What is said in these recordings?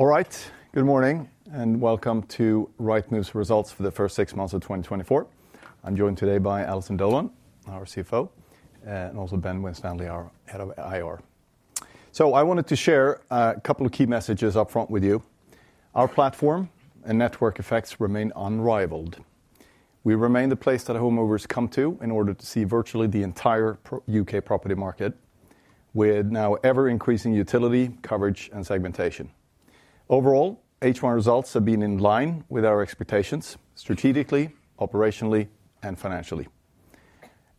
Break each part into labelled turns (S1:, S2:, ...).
S1: All right. Good morning, and welcome to Rightmove's results for the first six months of 2024. I'm joined today by Alison Dolan, our CFO, and also Ben Winstanley, our head of IR. I wanted to share a couple of key messages up front with you. Our platform and network effects remain unrivaled. We remain the place that home movers come to in order to see virtually the entire proper U.K. property market, with now ever-increasing utility, coverage, and segmentation. Overall, H1 results have been in line with our expectations, strategically, operationally, and financially.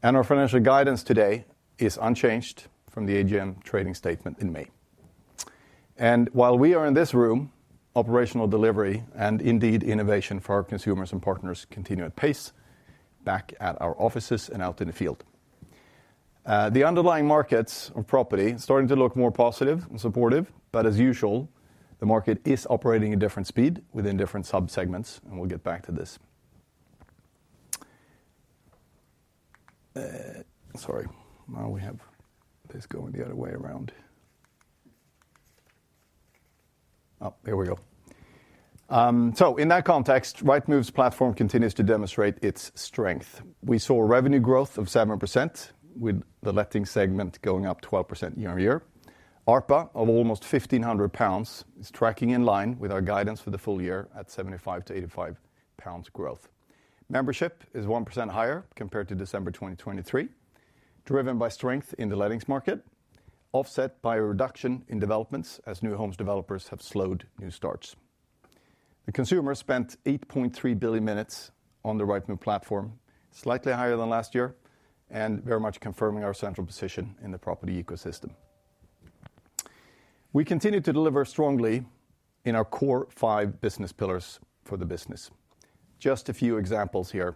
S1: Our financial guidance today is unchanged from the AGM trading statement in May. While we are in this room, operational delivery and indeed innovation for our consumers and partners continue at pace back at our offices and out in the field. The underlying markets of property are starting to look more positive and supportive, but as usual, the market is operating at different speed within different subsegments, and we'll get back to this. So in that context, Rightmove's platform continues to demonstrate its strength. We saw a revenue growth of 7%, with the letting segment going up 12% year-on-year. ARPA of almost 1,500 pounds is tracking in line with our guidance for the full-year at 75-85 pounds growth. Membership is 1% higher compared to December 2023, driven by strength in the lettings market, offset by a reduction in developments as new homes developers have slowed new starts. The consumer spent 8.3 billion minutes on the Rightmove platform, slightly higher than last year, and very much confirming our central position in the property ecosystem. We continue to deliver strongly in our core five business pillars for the business. Just a few examples here.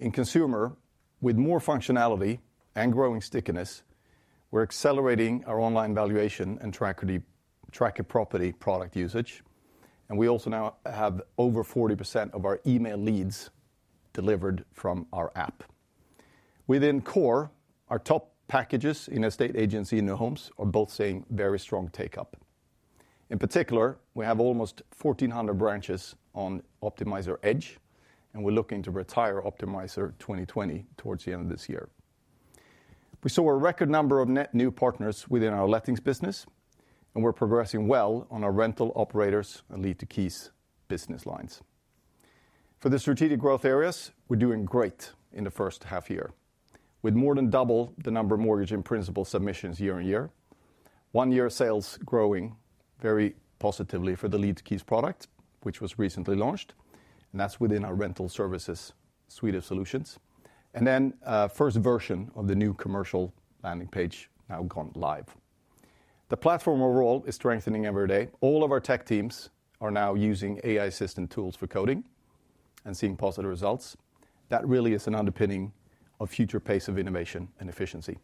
S1: In consumer, with more functionality and growing stickiness, we're accelerating our online valuation and Track a Property product usage, and we also now have over 40% of our email leads delivered from our app. Within core, our top packages in estate agency new homes are both seeing very strong take-up. In particular, we have almost 1,400 branches on Optimiser Edge, and we're looking to retire Optimiser 2020 towards the end of this year. We saw a record number of net new partners within our lettings business, and we're progressing well on our rental operators and Lead-to-Keys business lines. For the strategic growth areas, we're doing great in the first half year, with more than double the number of mortgage in principle submissions year-on-year. 1-year sales growing very positively for the Lead-to-Keys product, which was recently launched, and that's within our rental services suite of solutions. And then, a first version of the new commercial landing page now gone live. The platform overall is strengthening every day. All of our tech teams are now using AI assistant tools for coding and seeing positive results. That really is an underpinning of future pace of innovation and efficiency.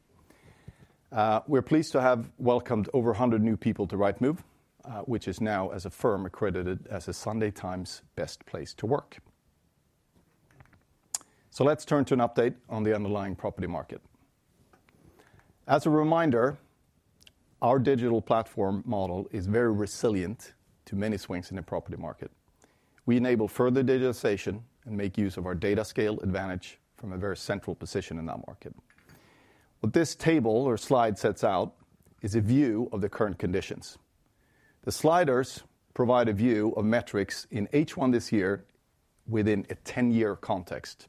S1: We're pleased to have welcomed over 100 new people to Rightmove, which is now, as a firm, accredited as a The Sunday Times Best Place to Work. So let's turn to an update on the underlying property market. As a reminder, our digital platform model is very resilient to many swings in the property market. We enable further digitization and make use of our data scale advantage from a very central position in that market. What this table or slide sets out is a view of the current conditions. The sliders provide a view of metrics in H1 this year within a 10-year context,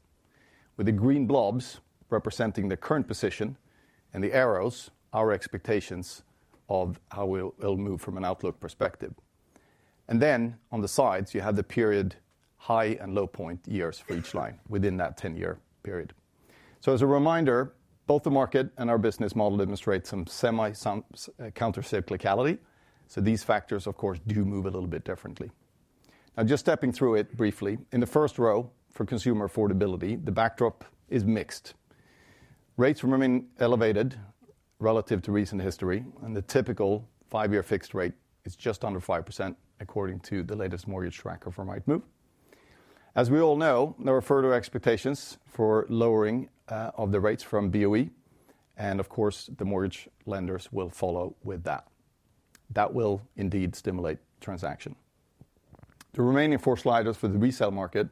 S1: with the green blobs representing the current position and the arrows, our expectations of how it'll move from an outlook perspective. And then on the sides, you have the period high and low point years for each line within that 10-year period. So as a reminder, both the market and our business model demonstrate some semi, some countercyclicality. So these factors, of course, do move a little bit differently. Now, just stepping through it briefly, in the first row, for consumer affordability, the backdrop is mixed. Rates remain elevated relative to recent history, and the typical five-year fixed rate is just under 5%, according to the latest mortgage tracker from Rightmove. As we all know, there are further expectations for lowering of the rates from BOE, and of course, the mortgage lenders will follow with that. That will indeed stimulate transaction. The remaining four sliders for the resale market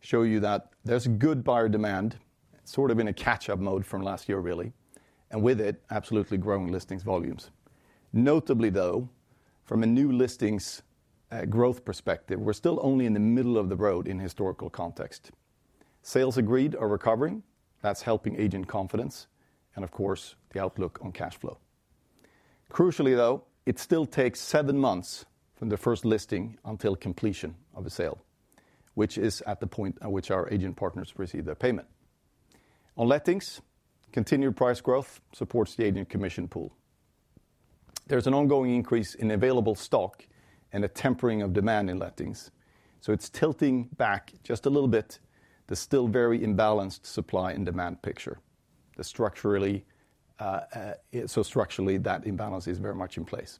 S1: show you that there's good buyer demand, sort of in a catch-up mode from last year, really, and with it, absolutely growing listings volumes. Notably, though, from a new listings growth perspective, we're still only in the middle of the road in historical context. Sales agreed are recovering. That's helping agent confidence and, of course, the outlook on cash flow. Crucially, though, it still takes seven months from the first listing until completion of a sale, which is at the point at which our agent partners receive their payment. On lettings, continued price growth supports the agent commission pool. There's an ongoing increase in available stock and a tempering of demand in lettings, so it's tilting back just a little bit. There's still very imbalanced supply and demand picture. So structurally, that imbalance is very much in place.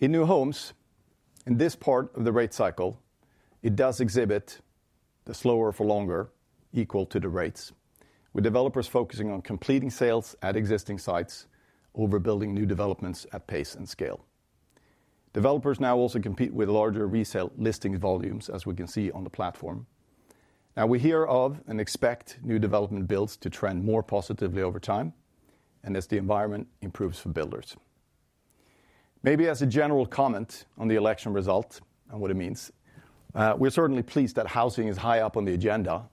S1: In new homes, in this part of the rate cycle, it does exhibit-... The higher for longer outlook on the rates, with developers focusing on completing sales at existing sites over building new developments at pace and scale. Developers now also compete with larger resale listing volumes, as we can see on the platform. Now, we hear of and expect new development builds to trend more positively over time and as the environment improves for builders. Maybe as a general comment on the election result and what it means, we're certainly pleased that housing is high up on the agenda,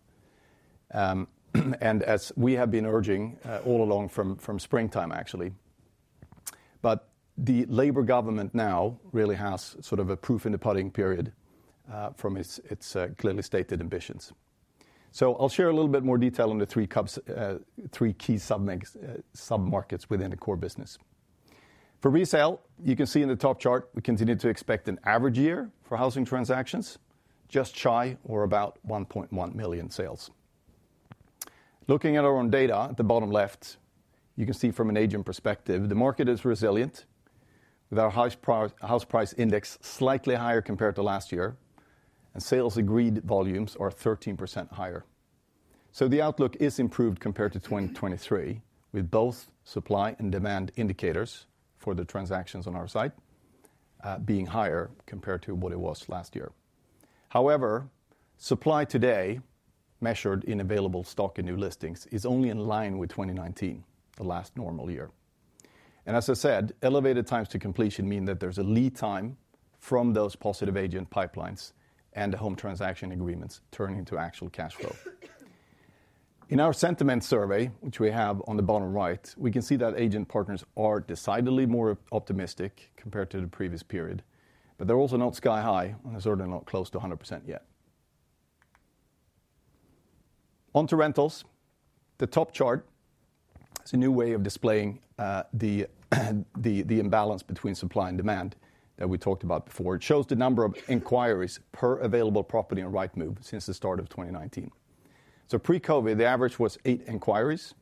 S1: and as we have been urging all along from springtime, actually. But the Labour government now really has sort of a proof in the pudding period from its clearly stated ambitions. So I'll share a little bit more detail on the three key sub-markets within the core business. For resale, you can see in the top chart, we continue to expect an average year for housing transactions, just shy or about 1.1 million sales. Looking at our own data at the bottom left, you can see from an agent perspective, the market is resilient, with our House Price Index slightly higher compared to last year, and sales agreed volumes are 13% higher. So the outlook is improved compared to 2023, with both supply and demand indicators for the transactions on our site being higher compared to what it was last year. However, supply today, measured in available stock and new listings, is only in line with 2019, the last normal year. And as I said, elevated times to completion mean that there's a lead time from those positive agent pipelines and home transaction agreements turning into actual cash flow. In our sentiment survey, which we have on the bottom right, we can see that agent partners are decidedly more optimistic compared to the previous period, but they're also not sky high and certainly not close to 100% yet. On to rentals. The top chart is a new way of displaying the imbalance between supply and demand that we talked about before. It shows the number of inquiries per available property on Rightmove since the start of 2019. So pre-COVID, the average was 8 inquiries.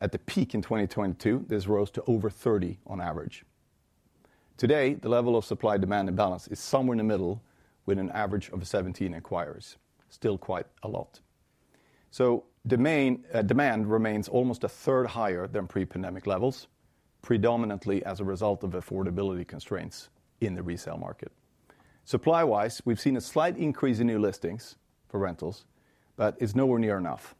S1: At the peak in 2022, this rose to over 30 on average. Today, the level of supply-demand imbalance is somewhere in the middle, with an average of 17 inquiries. Still quite a lot. So demand remains almost a third higher than pre-pandemic levels, predominantly as a result of affordability constraints in the resale market. Supply-wise, we've seen a slight increase in new listings for rentals, but it's nowhere near enough.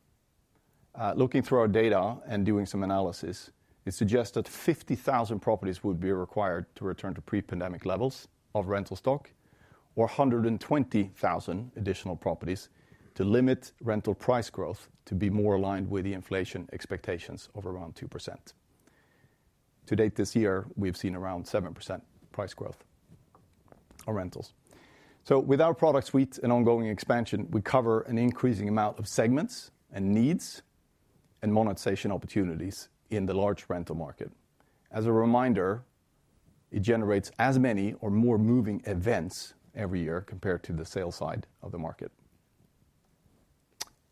S1: Looking through our data and doing some analysis, it suggests that 50,000 properties would be required to return to pre-pandemic levels of rental stock or 120,000 additional properties to limit rental price growth to be more aligned with the inflation expectations of around 2%. To date this year, we've seen around 7% price growth on rentals. So with our product suite and ongoing expansion, we cover an increasing amount of segments and needs and monetization opportunities in the large rental market. As a reminder, it generates as many or more moving events every year compared to the sales side of the market.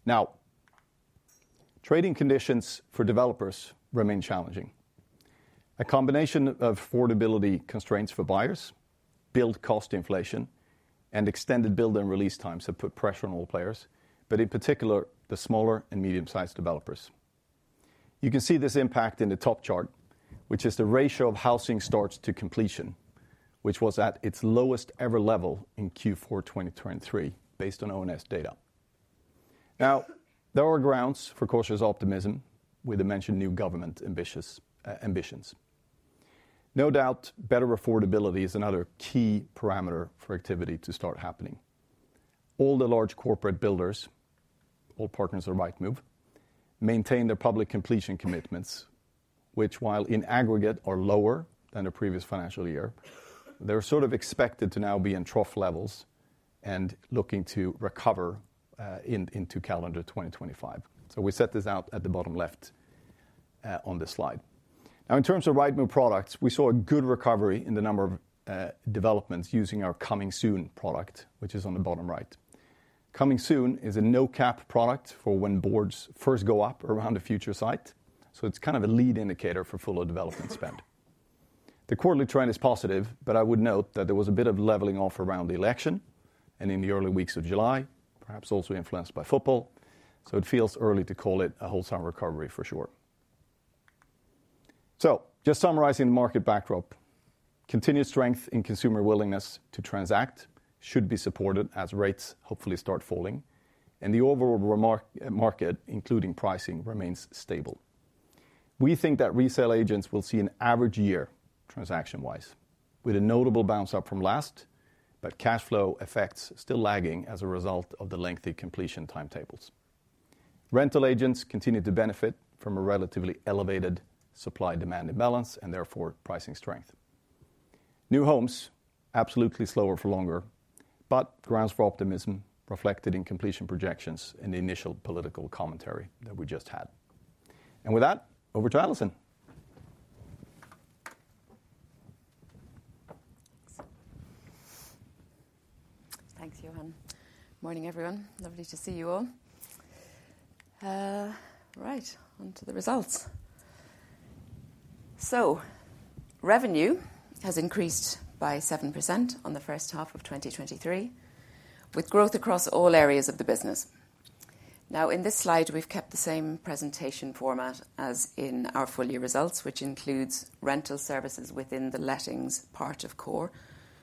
S1: Now, trading conditions for developers remain challenging. A combination of affordability constraints for buyers, build cost inflation, and extended build and release times have put pressure on all players, but in particular, the smaller and medium-sized developers. You can see this impact in the top chart, which is the ratio of housing starts to completion, which was at its lowest ever level in Q4 2023, based on ONS data. Now, there are grounds for cautious optimism with the mentioned new government ambitious ambitions. No doubt, better affordability is another key parameter for activity to start happening. All the large corporate builders, all partners of Rightmove, maintain their public completion commitments, which, while in aggregate, are lower than the previous financial year. They're sort of expected to now be in trough levels and looking to recover into calendar 2025. So we set this out at the bottom left on this slide. Now, in terms of Rightmove products, we saw a good recovery in the number of developments using our Coming Soon product, which is on the bottom right. Coming Soon is a no-cap product for when boards first go up around a future site, so it's kind of a lead indicator for fuller development spend. The quarterly trend is positive, but I would note that there was a bit of leveling off around the election and in the early weeks of July, perhaps also influenced by football, so it feels early to call it a wholesome recovery for sure. So just summarizing the market backdrop. Continued strength in consumer willingness to transact should be supported as rates hopefully start falling, and the overall market, including pricing, remains stable. We think that resale agents will see an average year, transaction-wise, with a notable bounce up from last, but cash flow effects still lagging as a result of the lengthy completion timetables. Rental agents continue to benefit from a relatively elevated supply-demand imbalance and therefore pricing strength. New homes, absolutely slower for longer, but grounds for optimism reflected in completion projections in the initial political commentary that we just had. With that, over to Alison.
S2: Thanks, Johan. Morning, everyone. Lovely to see you all. Right, on to the results. So revenue has increased by 7% on the first half of 2023, with growth across all areas of the business. Now, in this slide, we've kept the same presentation format as in our full-year results, which includes rental services within the lettings part of Core,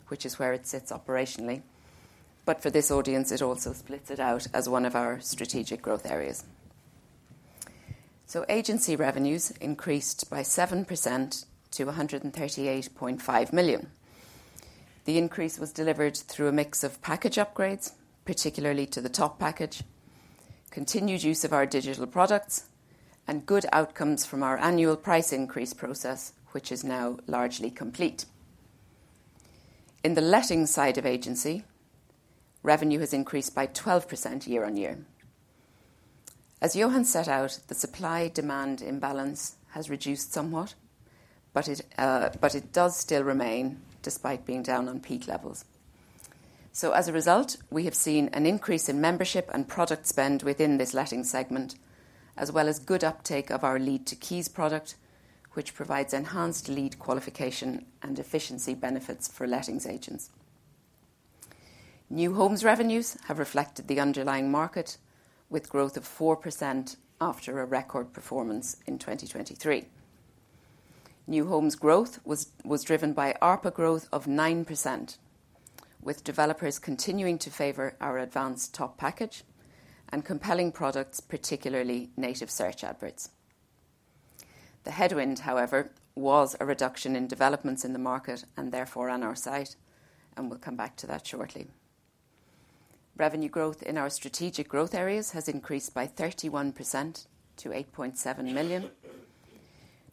S2: which is where it sits operationally. But for this audience, it also splits it out as one of our strategic growth areas. So agency revenues increased by 7% to 138.5 million. The increase was delivered through a mix of package upgrades, particularly to the top package, continued use of our digital products, and good outcomes from our annual price increase process, which is now largely complete. In the letting side of agency, revenue has increased by 12% year-on-year. As Johan set out, the supply-demand imbalance has reduced somewhat, but it does still remain despite being down on peak levels. So as a result, we have seen an increase in membership and product spend within this letting segment, as well as good uptake of our Lead to Keys product, which provides enhanced lead qualification and efficiency benefits for lettings agents. New homes revenues have reflected the underlying market, with growth of 4% after a record performance in 2023. New homes growth was driven by ARPA growth of 9%, with developers continuing to favor our advanced top package and compelling products, particularly Native Search Adverts. The headwind, however, was a reduction in developments in the market and therefore on our site, and we'll come back to that shortly. Revenue growth in our strategic growth areas has increased by 31% to 8.7 million.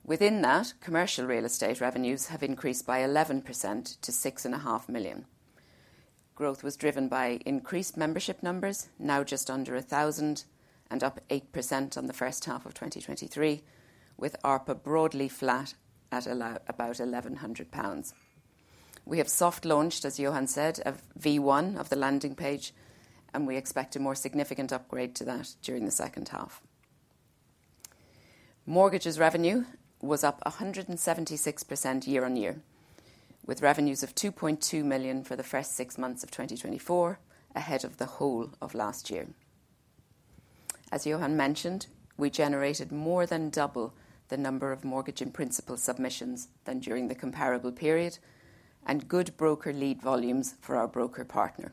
S2: Within that, commercial real estate revenues have increased by 11% to 6.5 million. Growth was driven by increased membership numbers, now just under 1,000 and up 8% on the first half of 2023, with ARPA broadly flat at about 1,100 pounds. We have soft launched, as Johan said, a V1 of the landing page, and we expect a more significant upgrade to that during the second half. Mortgages revenue was up 176% year-on-year, with revenues of 2.2 million for the first six months of 2024, ahead of the whole of last year. As Johan mentioned, we generated more than double the number of Mortgage in Principle submissions than during the comparable period, and good broker lead volumes for our broker partner.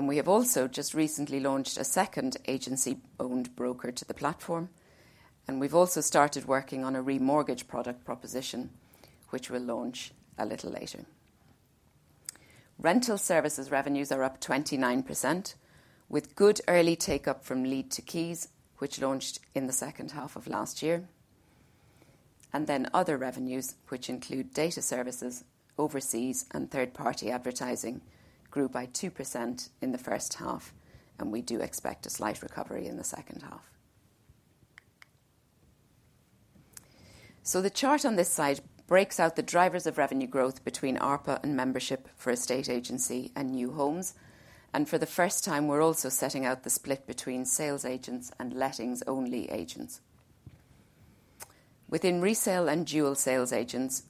S2: We have also just recently launched a second agency-owned broker to the platform, and we've also started working on a remortgage product proposition, which will launch a little later. Rental services revenues are up 29%, with good early take-up from Lead to Keys, which launched in the second half of last year. Then other revenues, which include data services, overseas, and third-party advertising, grew by 2% in the first half, and we do expect a slight recovery in the second half. The chart on this slide breaks out the drivers of revenue growth between ARPA and membership for estate agency and new homes. For the first time, we're also setting out the split between sales agents and lettings-only agents. Within resale and dual sales agents,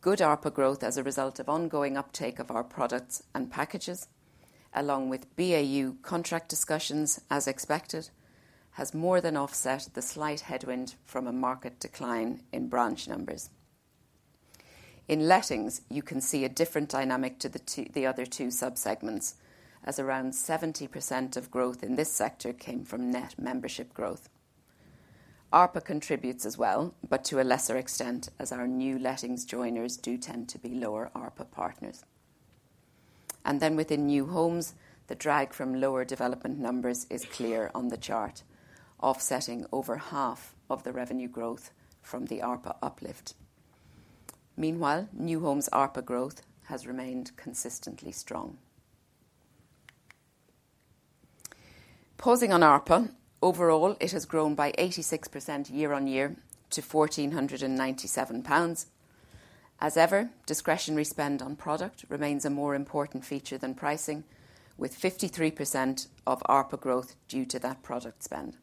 S2: good ARPA growth as a result of ongoing uptake of our products and packages, along with BAU contract discussions, as expected, has more than offset the slight headwind from a market decline in branch numbers. In lettings, you can see a different dynamic to the other two subsegments, as around 70% of growth in this sector came from net membership growth. ARPA contributes as well, but to a lesser extent, as our new lettings joiners do tend to be lower ARPA partners. And then within new homes, the drag from lower development numbers is clear on the chart, offsetting over half of the revenue growth from the ARPA uplift. Meanwhile, new homes ARPA growth has remained consistently strong. Pausing on ARPA, overall, it has grown by 86% year on year to 1,497 pounds. As ever, discretionary spend on product remains a more important feature than pricing, with 53% of ARPA growth due to that product spend.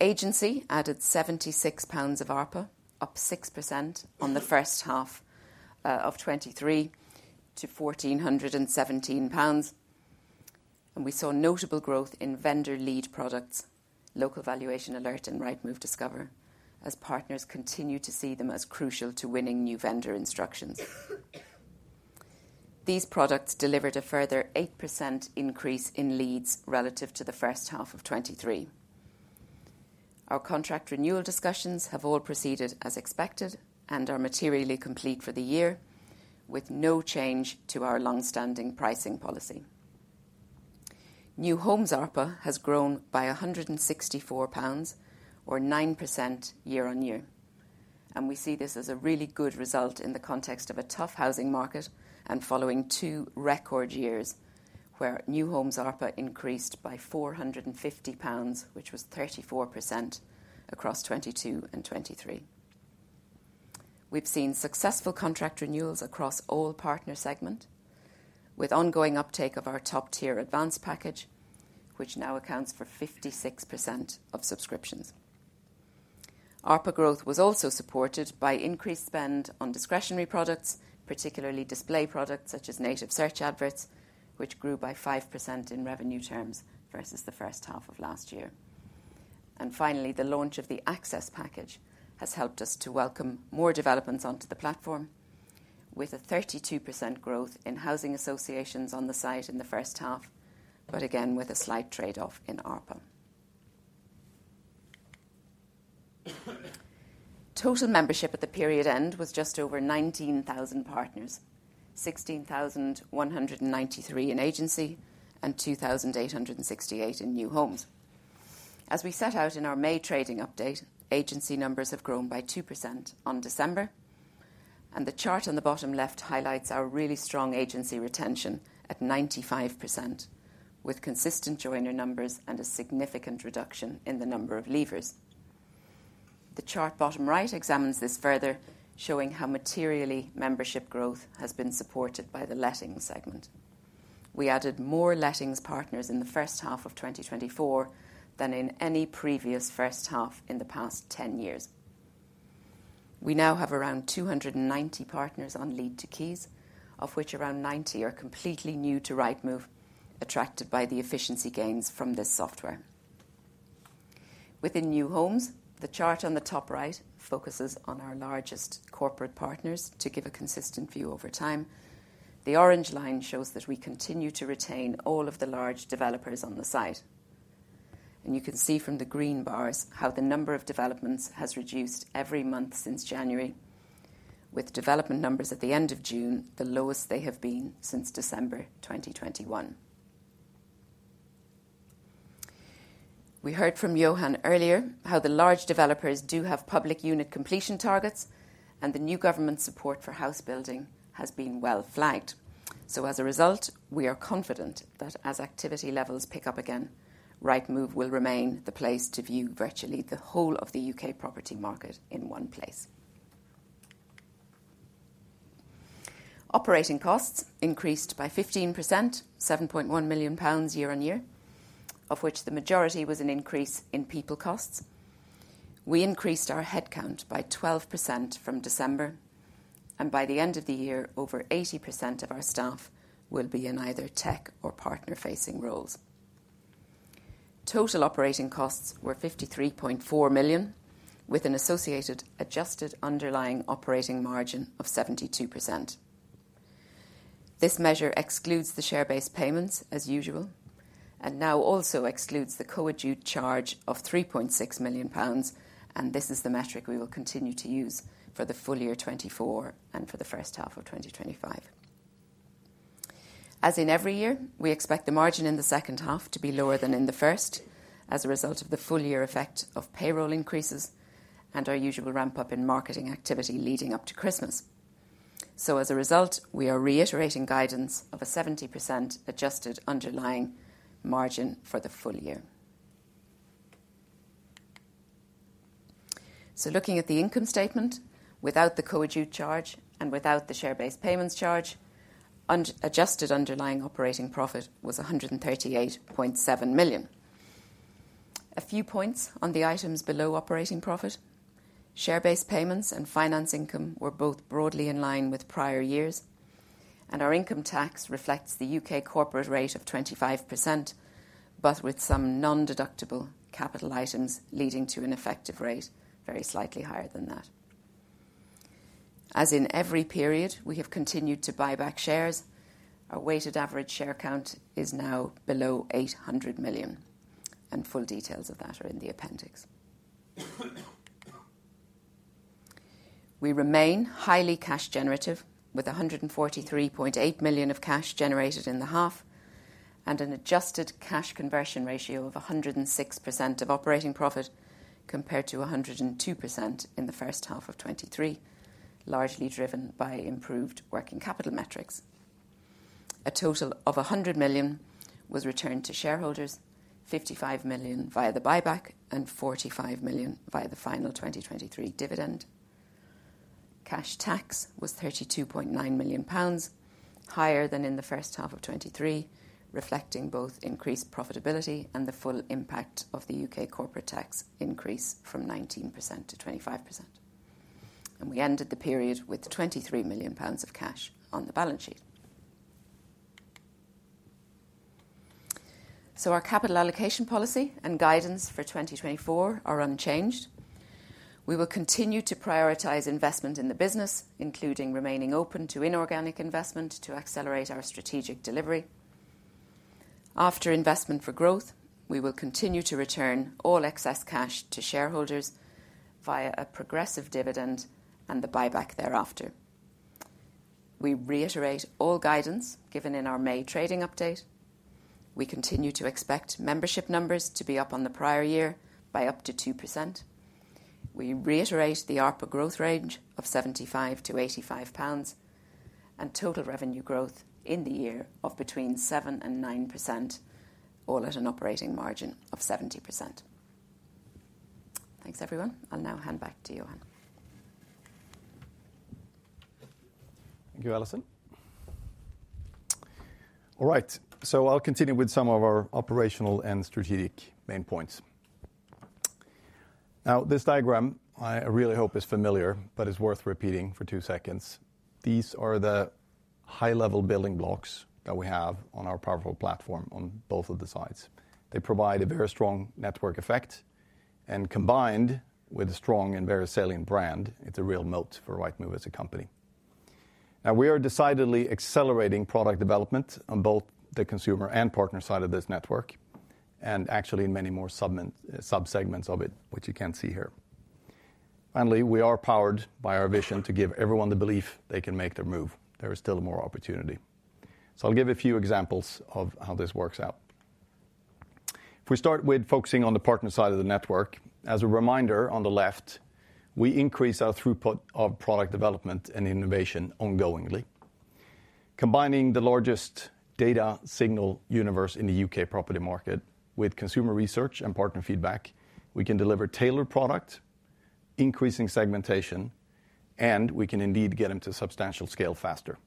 S2: Agency added 76 pounds of ARPA, up 6% on the first half of 2023 to 1,417 pounds, and we saw notable growth in vendor lead products, Local Valuation Alert, and Rightmove Discover, as partners continue to see them as crucial to winning new vendor instructions. These products delivered a further 8% increase in leads relative to the first half of 2023. Our contract renewal discussions have all proceeded as expected and are materially complete for the year, with no change to our long-standing pricing policy. New Homes ARPA has grown by 164 pounds or 9% year-on-year, and we see this as a really good result in the context of a tough housing market and following two record years, where New Homes ARPA increased by 450 pounds, which was 34% across 2022 and 2023.... We've seen successful contract renewals across all partner segment, with ongoing uptake of our top-tier advanced package, which now accounts for 56% of subscriptions. ARPA growth was also supported by increased spend on discretionary products, particularly display products such as Native Search Adverts, which grew by 5% in revenue terms versus the first half of last year. Finally, the launch of the Access Package has helped us to welcome more developments onto the platform, with a 32% growth in housing associations on the site in the first half, but again, with a slight trade-off in ARPA. Total membership at the period end was just over 19,000 partners, 16,193 in agency, and 2,868 in new homes. As we set out in our May trading update, agency numbers have grown by 2% on December, and the chart on the bottom left highlights our really strong agency retention at 95%, with consistent joiner numbers and a significant reduction in the number of leavers. The chart bottom right examines this further, showing how materially membership growth has been supported by the letting segment. We added more lettings partners in the first half of 2024 than in any previous first half in the past 10 years. We now have around 290 partners on Lead to Keys, of which around 90 are completely new to Rightmove, attracted by the efficiency gains from this software. Within New Homes, the chart on the top right focuses on our largest corporate partners to give a consistent view over time. The orange line shows that we continue to retain all of the large developers on the site, and you can see from the green bars how the number of developments has reduced every month since January, with development numbers at the end of June, the lowest they have been since December 2021. We heard from Johan earlier how the large developers do have public unit completion targets, and the new government support for house building has been well flagged. So as a result, we are confident that as activity levels pick up again, Rightmove will remain the place to view virtually the whole of the U.K. property market in one place. Operating costs increased by 15%, 7.1 million pounds year-over-year, of which the majority was an increase in people costs. We increased our headcount by 12% from December, and by the end of the year, over 80% of our staff will be in either tech or partner-facing roles. Total operating costs were 53.4 million, with an associated Adjusted Underlying Operating Margin of 72%. This measure excludes the share-based payments as usual, and now also excludes the Coadjute charge of 3.6 million pounds, and this is the metric we will continue to use for the full-year 2024 and for the first half of 2025. As in every year, we expect the margin in the second half to be lower than in the first as a result of the full-year effect of payroll increases and our usual ramp-up in marketing activity leading up to Christmas. So as a result, we are reiterating guidance of a 70% adjusted underlying margin for the full-year. So looking at the income statement, without the Coadjute charge and without the share-based payments charge, adjusted underlying operating profit was 138.7 million. A few points on the items below operating profit. Share-based payments and finance income were both broadly in line with prior years, and our income tax reflects the U.K. corporate rate of 25%, but with some non-deductible capital items leading to an effective rate, very slightly higher than that. As in every period, we have continued to buy back shares. Our weighted average share count is now below 800 million, and full details of that are in the appendix. We remain highly cash generative, with 143.8 million of cash generated in the half and an adjusted cash conversion ratio of 106% of operating profit, compared to 102% in the first half of 2023, largely driven by improved working capital metrics. A total of 100 million was returned to shareholders, 55 million via the buyback and 45 million via the final 2023 dividend. Cash tax was 32.9 million pounds, higher than in the first half of 2023, reflecting both increased profitability and the full impact of the U.K. corporate tax increase from 19% to 25%. And we ended the period with 23 million pounds of cash on the balance sheet. So our capital allocation policy and guidance for 2024 are unchanged. We will continue to prioritize investment in the business, including remaining open to inorganic investment to accelerate our strategic delivery. After investment for growth, we will continue to return all excess cash to shareholders via a progressive dividend and the buyback thereafter. We reiterate all guidance given in our May trading update. We continue to expect membership numbers to be up on the prior year by up to 2%. We reiterate the ARPA growth range of 75-85 pounds.... Total revenue growth in the year of between 7% and 9%, all at an operating margin of 70%. Thanks, everyone. I'll now hand back to you, Johan.
S1: Thank you, Alison. All right, so I'll continue with some of our operational and strategic main points. Now, this diagram I, I really hope is familiar, but it's worth repeating for two seconds. These are the high-level building blocks that we have on our powerful platform on both of the sides. They provide a very strong network effect, and combined with a strong and very salient brand, it's a real moat for Rightmove as a company. Now, we are decidedly accelerating product development on both the consumer and partner side of this network, and actually in many more subment, subsegments of it, which you can't see here. Finally, we are powered by our vision to give everyone the belief they can make their move. There is still more opportunity. So I'll give a few examples of how this works out. If we start with focusing on the partner side of the network, as a reminder, on the left, we increase our throughput of product development and innovation ongoingly. Combining the largest data signal universe in the UK property market with consumer research and partner feedback, we can deliver tailored product, increasing segmentation, and we can indeed get them to substantial scale faster.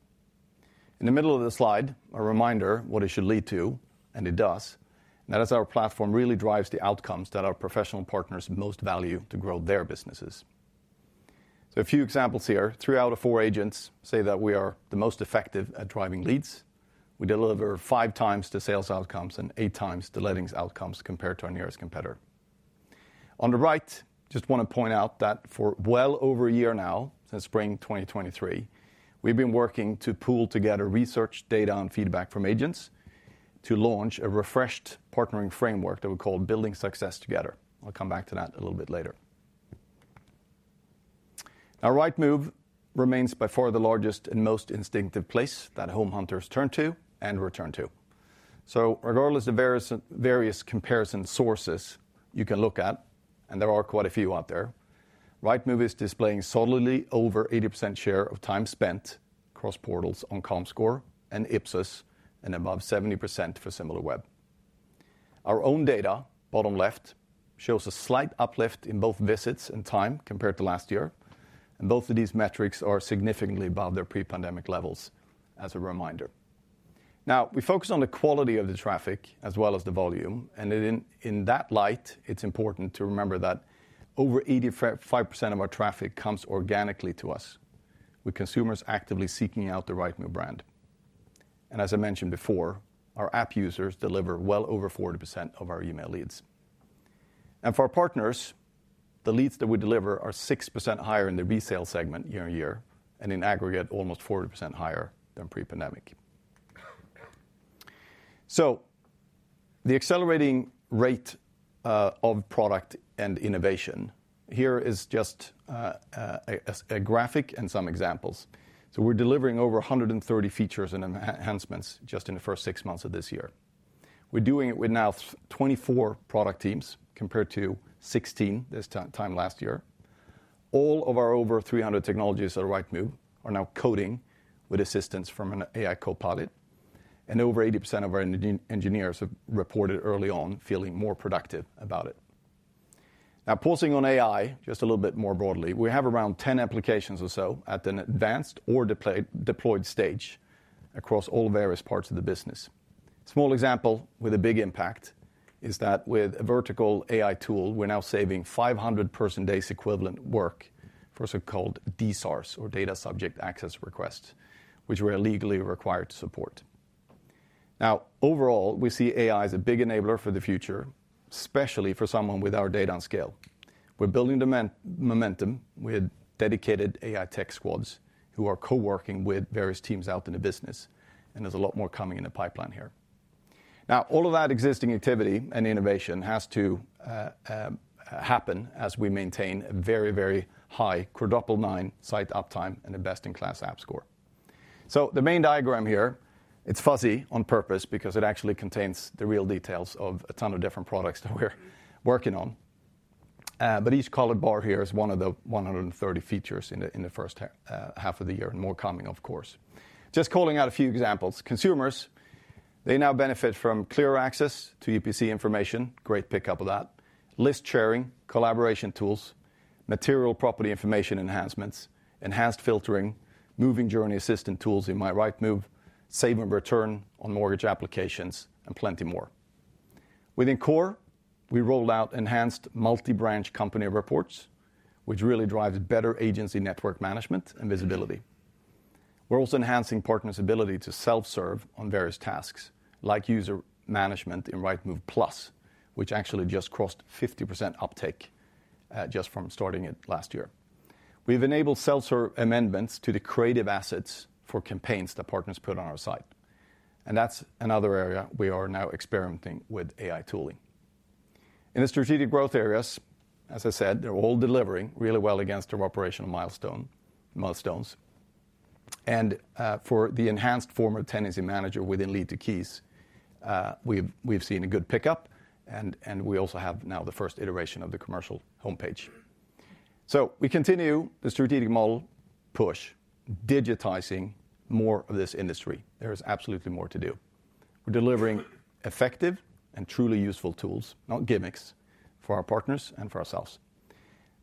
S1: In the middle of the slide, a reminder what it should lead to, and it does, and that is our platform really drives the outcomes that our professional partners most value to grow their businesses. So a few examples here. Three out of four agents say that we are the most effective at driving leads. We deliver five times the sales outcomes and eight times the lettings outcomes compared to our nearest competitor. On the right, just want to point out that for well over a year now, since spring 2023, we've been working to pool together research, data, and feedback from agents to launch a refreshed partnering framework that we call Building Success Together. I'll come back to that a little bit later. Now, Rightmove remains by far the largest and most instinctive place that home hunters turn to and return to. So regardless of various, various comparison sources you can look at, and there are quite a few out there, Rightmove is displaying solidly over 80% share of time spent across portals on Comscore and Ipsos, and above 70% for Similarweb. Our own data, bottom left, shows a slight uplift in both visits and time compared to last year, and both of these metrics are significantly above their pre-pandemic levels, as a reminder. Now, we focus on the quality of the traffic as well as the volume, and in that light, it's important to remember that over 85% of our traffic comes organically to us, with consumers actively seeking out the Rightmove brand. And as I mentioned before, our app users deliver well over 40% of our email leads. And for our partners, the leads that we deliver are 6% higher in the resale segment year on year, and in aggregate, almost 40% higher than pre-pandemic. So the accelerating rate of product and innovation here is just a graphic and some examples. So we're delivering over 130 features and enhancements just in the first six months of this year. We're doing it with now 24 product teams, compared to 16 this time last year. All of our over 300 technologies at Rightmove are now coding with assistance from an AI copilot, and over 80% of our engineers have reported early on feeling more productive about it. Now, pausing on AI, just a little bit more broadly, we have around 10 applications or so at an advanced or deployed stage across all various parts of the business. Small example with a big impact is that with a vertical AI tool, we're now saving 500 person days' equivalent work for so-called DSARs or data subject access requests, which we are legally required to support. Now, overall, we see AI as a big enabler for the future, especially for someone with our data on scale. We're building decent momentum with dedicated AI tech squads who are co-working with various teams out in the business, and there's a lot more coming in the pipeline here. Now, all of that existing activity and innovation has to happen as we maintain a very, very high quadruple nine site uptime and a best-in-class app score. So the main diagram here, it's fuzzy on purpose because it actually contains the real details of a ton of different products that we're working on. But each colored bar here is one of the 130 features in the, in the first half of the year, and more coming, of course. Just calling out a few examples. Consumers, they now benefit from clearer access to EPC information, great pickup of that, list sharing, collaboration tools, material property information enhancements, enhanced filtering, moving journey assistant tools in My Rightmove, save and return on mortgage applications, and plenty more. Within Core, we rolled out enhanced multi-branch company reports, which really drives better agency network management and visibility. We're also enhancing partners' ability to self-serve on various tasks, like user management in Rightmove Plus, which actually just crossed 50% uptake, just from starting it last year. We've enabled self-serve amendments to the creative assets for campaigns that partners put on our site, and that's another area we are now experimenting with AI tooling. In the strategic growth areas, as I said, they're all delivering really well against our operational milestone, milestones. For the enhanced former tenancy manager within Lead to Keys, we've seen a good pickup, and we also have now the first iteration of the commercial homepage. We continue the strategic model push, digitizing more of this industry. There is absolutely more to do. We're delivering effective and truly useful tools, not gimmicks, for our partners and for ourselves.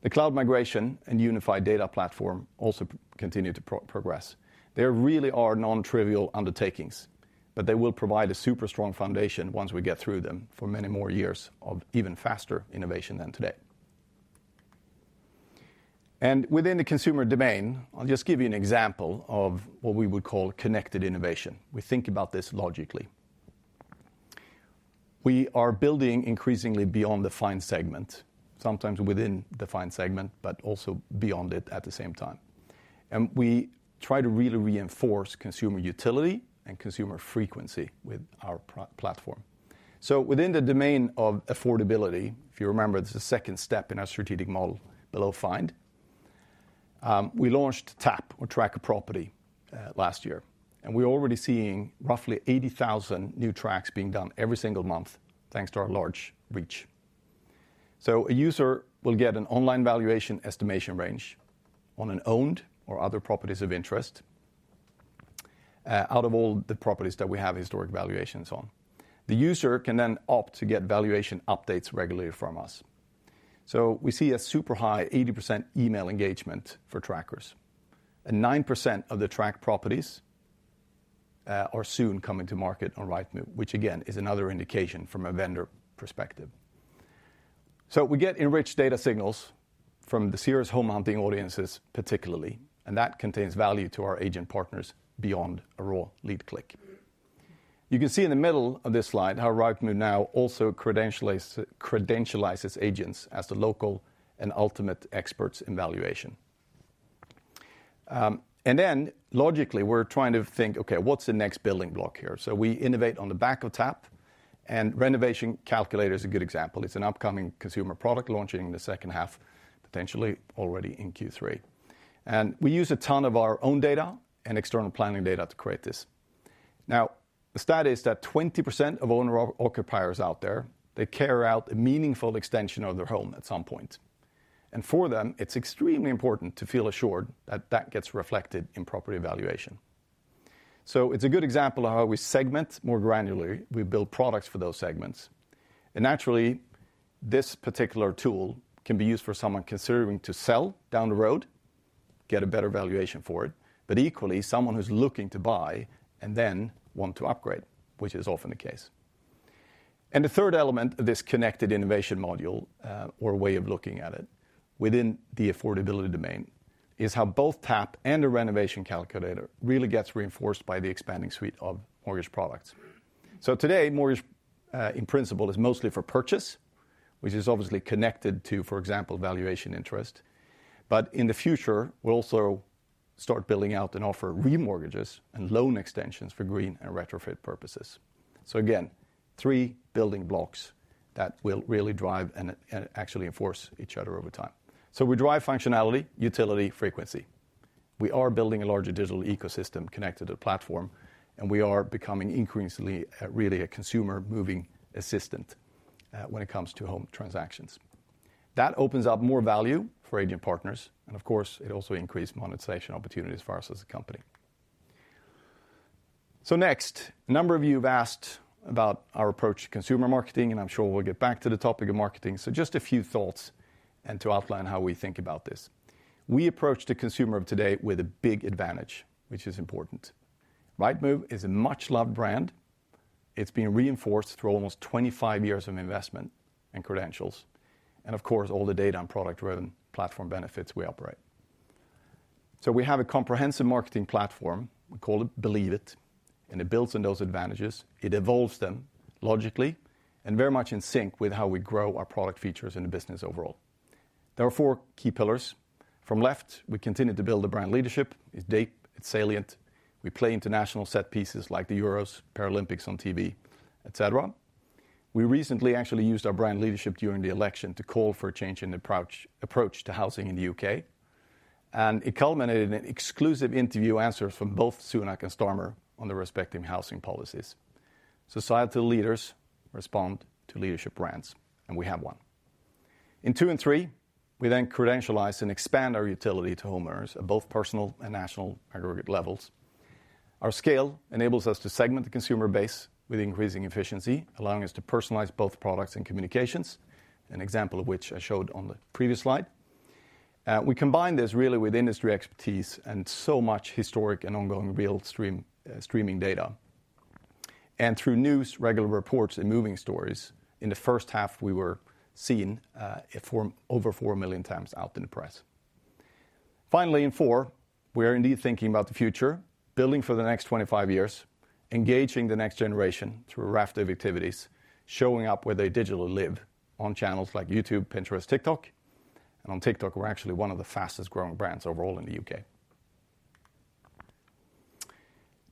S1: The cloud migration and unified data platform also continue to progress. They really are non-trivial undertakings, but they will provide a super strong foundation once we get through them for many more years of even faster innovation than today. Within the consumer domain, I'll just give you an example of what we would call connected innovation. We think about this logically. We are building increasingly beyond the Find segment, sometimes within the Find segment, but also beyond it at the same time, and we try to really reinforce consumer utility and consumer frequency with our property platform. So within the domain of affordability, if you remember, this is the second step in our strategic model below Find, we launched TAP, or Track a Property, last year, and we're already seeing roughly 80,000 new tracks being done every single month, thanks to our large reach. So a user will get an online valuation estimation range on an owned or other properties of interest, out of all the properties that we have historic valuations on. The user can then opt to get valuation updates regularly from us. So we see a super high 80% email engagement for trackers, and 9% of the tracked properties are soon coming to market on Rightmove, which again is another indication from a vendor perspective. So we get enriched data signals from the serious home hunting audiences, particularly, and that contains value to our agent partners beyond a raw lead click. You can see in the middle of this slide how Rightmove now also credentializes agents as the local and ultimate experts in valuation. And then logically, we're trying to think, "Okay, what's the next building block here?" So we innovate on the back of TAP, and Renovation Calculator is a good example. It's an upcoming consumer product launching in the second half, potentially already in Q3. And we use a ton of our own data and external planning data to create this. Now, the stat is that 20% of owner-occupiers out there, they carry out a meaningful extension of their home at some point, and for them, it's extremely important to feel assured that that gets reflected in property valuation. So it's a good example of how we segment more granularly. We build products for those segments. And naturally, this particular tool can be used for someone considering to sell down the road, get a better valuation for it, but equally, someone who's looking to buy and then want to upgrade, which is often the case. And the third element of this connected innovation module, or way of looking at it, within the affordability domain, is how both TAP and the renovation calculator really gets reinforced by the expanding suite of mortgage products. So today, Mortgage in Principle is mostly for purchase, which is obviously connected to, for example, valuation interest. But in the future, we'll also start building out and offer remortgages and loan extensions for green and retrofit purposes. So again, three building blocks that will really drive and, and actually enforce each other over time. So we drive functionality, utility, frequency. We are building a larger digital ecosystem connected to the platform, and we are becoming increasingly really a consumer-moving assistant when it comes to home transactions. That opens up more value for agent partners, and of course, it also increases monetization opportunities as far as as a company. So next, a number of you have asked about our approach to consumer marketing, and I'm sure we'll get back to the topic of marketing. So just a few thoughts and to outline how we think about this. We approach the consumer of today with a big advantage, which is important. Rightmove is a much-loved brand. It's been reinforced through almost 25 years of investment and credentials, and of course, all the data and product-driven platform benefits we operate. So we have a comprehensive marketing platform. We call it Believe It, and it builds on those advantages. It evolves them logically and very much in sync with how we grow our product features in the business overall. There are four key pillars. From left, we continue to build a brand leadership. It's deep, it's salient. We play international set pieces like the Euros, Paralympics on TV, et cetera. We recently actually used our brand leadership during the election to call for a change in approach to housing in the U.K., and it culminated in an exclusive interview, answers from both Sunak and Starmer on their respective housing policies. Societal leaders respond to leadership brands, and we have one. In two and three, we then credentialize and expand our utility to homeowners at both personal and national aggregate levels. Our scale enables us to segment the consumer base with increasing efficiency, allowing us to personalize both products and communications, an example of which I showed on the previous slide. We combine this really with industry expertise and so much historic and ongoing real-time streaming data. Through news, regular reports, and moving stories, in the first half, we were seen over 4 million times out in the press. Finally, in four, we are indeed thinking about the future, building for the next 25 years, engaging the next generation through a raft of activities, showing up where they digitally live on channels like YouTube, Pinterest, TikTok. And on TikTok, we're actually one of the fastest-growing brands overall in the U.K.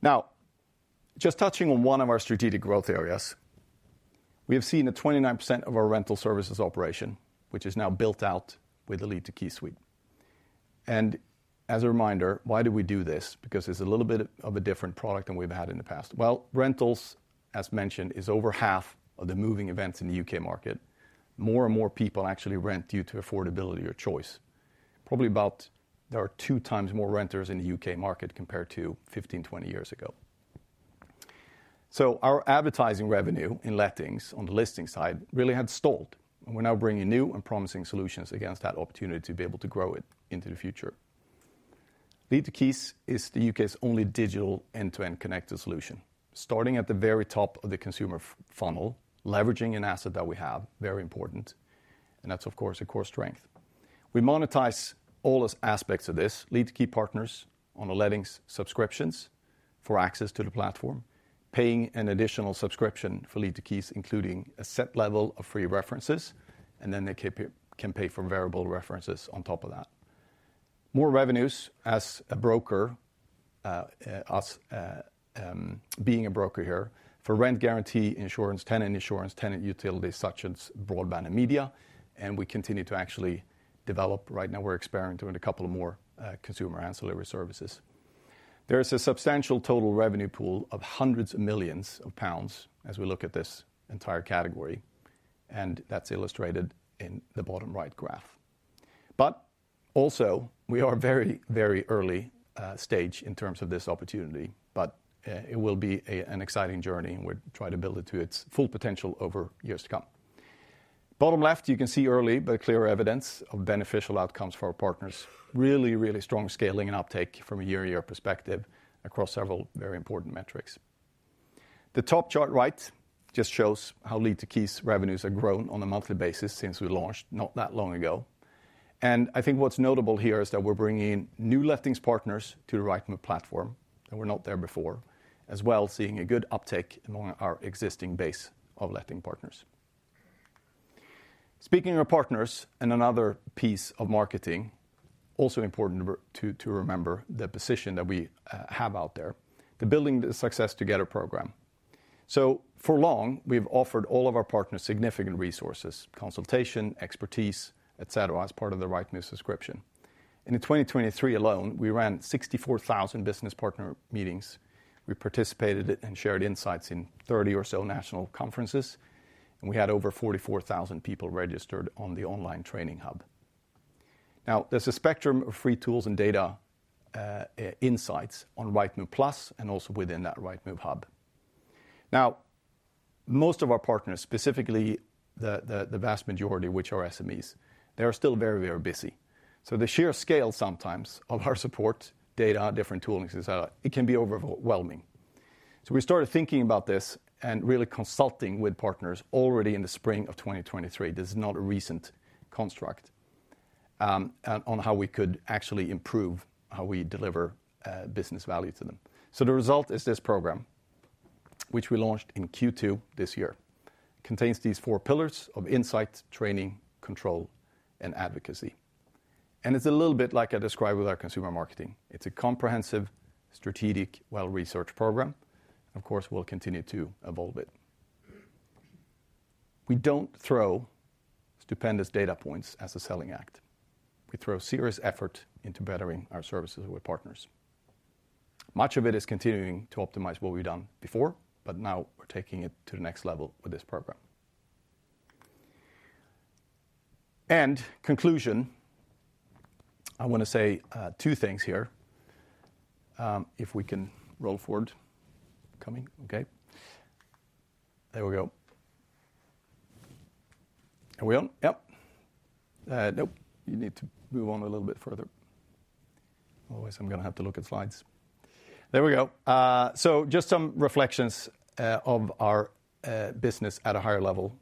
S1: Now, just touching on one of our strategic growth areas, we have seen that 29% of our rental services operation, which is now built out with the Lead to Keys suite. And as a reminder, why do we do this? Because it's a little bit of a different product than we've had in the past. Well, rentals, as mentioned, is over half of the moving events in the U.K. market. More and more people actually rent due to affordability or choice. Probably about, there are 2x more renters in the U.K. market compared to 15, 20 years ago. So our advertising revenue in lettings, on the listing side, really had stalled, and we're now bringing new and promising solutions against that opportunity to be able to grow it into the future. Lead to Keys is the U.K.'s only digital end-to-end connected solution, starting at the very top of the consumer funnel, leveraging an asset that we have, very important, and that's, of course, a core strength. We monetize all aspects of this. Lead to Keys partners on the lettings subscriptions for access to the platform, paying an additional subscription for Lead to Keys, including a set level of free references, and then they can pay for variable references on top of that. More revenues as a broker, us being a broker here, for Rent Guarantee Insurance, Tenant Insurance, tenant utilities such as broadband and media, and we continue to actually develop. Right now, we're experimenting with a couple of more, consumer ancillary services. There is a substantial total revenue pool of hundreds of millions GBP as we look at this entire category, and that's illustrated in the bottom right graph. But also, we are very, very early stage in terms of this opportunity, but, it will be an exciting journey, and we're trying to build it to its full potential over years to come. Bottom left, you can see early, but clear evidence of beneficial outcomes for our partners. Really, really strong scaling and uptake from a year-to-year perspective across several very important metrics. The top chart, right, just shows how Lead to Keys revenues have grown on a monthly basis since we launched, not that long ago. I think what's notable here is that we're bringing in new lettings partners to the Rightmove platform, that were not there before, as well as seeing a good uptake among our existing base of letting partners. Speaking of partners and another piece of marketing, also important to remember the position that we have out there, the Building Success Together program. So for long, we've offered all of our partners significant resources, consultation, expertise, et cetera, as part of the Rightmove subscription. In 2023 alone, we ran 64,000 business partner meetings. We participated and shared insights in 30 or so national conferences, and we had over 44,000 people registered on the online training hub. Now, there's a spectrum of free tools and data insights on Rightmove Plus and also within that Rightmove Hub. Now, most of our partners, specifically the vast majority, which are SMEs, they are still very, very busy. So the sheer scale sometimes of our support, data, different toolings, et cetera, it can be overwhelming. So we started thinking about this and really consulting with partners already in the spring of 2023. This is not a recent construct, on how we could actually improve how we deliver business value to them. So the result is this program, which we launched in Q2 this year. It contains these four pillars of insight, training, control, and advocacy. And it's a little bit like I described with our consumer marketing. It's a comprehensive, strategic, well-researched program. Of course, we'll continue to evolve it. We don't throw stupendous data points as a selling act. We throw serious effort into bettering our services with partners. Much of it is continuing to optimize what we've done before, but now we're taking it to the next level with this program. In conclusion, I want to say two things here. If we can roll forward. Coming. Okay. There we go. Are we on? Yep. Nope. You need to move on a little bit further. Otherwise, I'm going to have to look at slides. There we go. So just some reflections of our business at a higher level.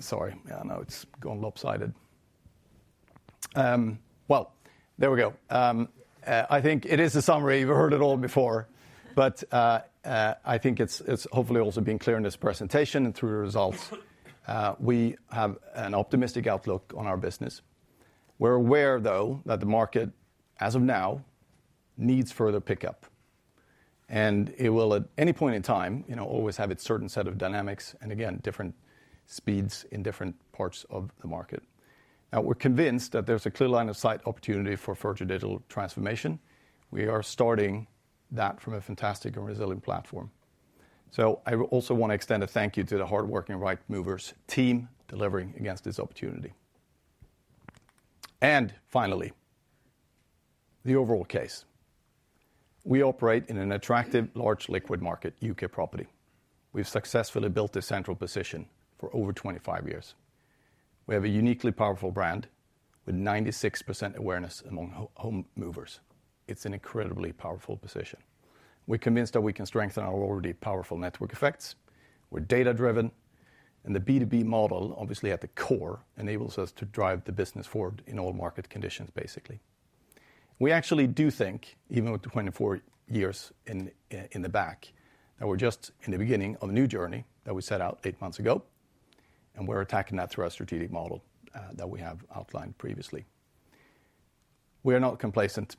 S1: Sorry. Yeah, now it's gone lopsided. Well, there we go. I think it is a summary. You've heard it all before, but I think it's hopefully also been clear in this presentation and through the results, we have an optimistic outlook on our business. We're aware, though, that the market, as of now, needs further pickup, and it will, at any point in time, you know, always have its certain set of dynamics and again, different speeds in different parts of the market. Now, we're convinced that there's a clear line of sight opportunity for further digital transformation. We are starting that from a fantastic and resilient platform. So I also want to extend a thank you to the hardworking Rightmovers team delivering against this opportunity. And finally, the overall case. We operate in an attractive, large liquid market, U.K. property. We've successfully built a central position for over 25 years. We have a uniquely powerful brand with 96% awareness among home movers. It's an incredibly powerful position. We're convinced that we can strengthen our already powerful network effects. We're data-driven, and the B2B model, obviously, at the core, enables us to drive the business forward in all market conditions, basically. We actually do think, even with the 24 years in the back, that we're just in the beginning of a new journey that we set out 8 months ago, and we're attacking that through our strategic model that we have outlined previously. We are not complacent.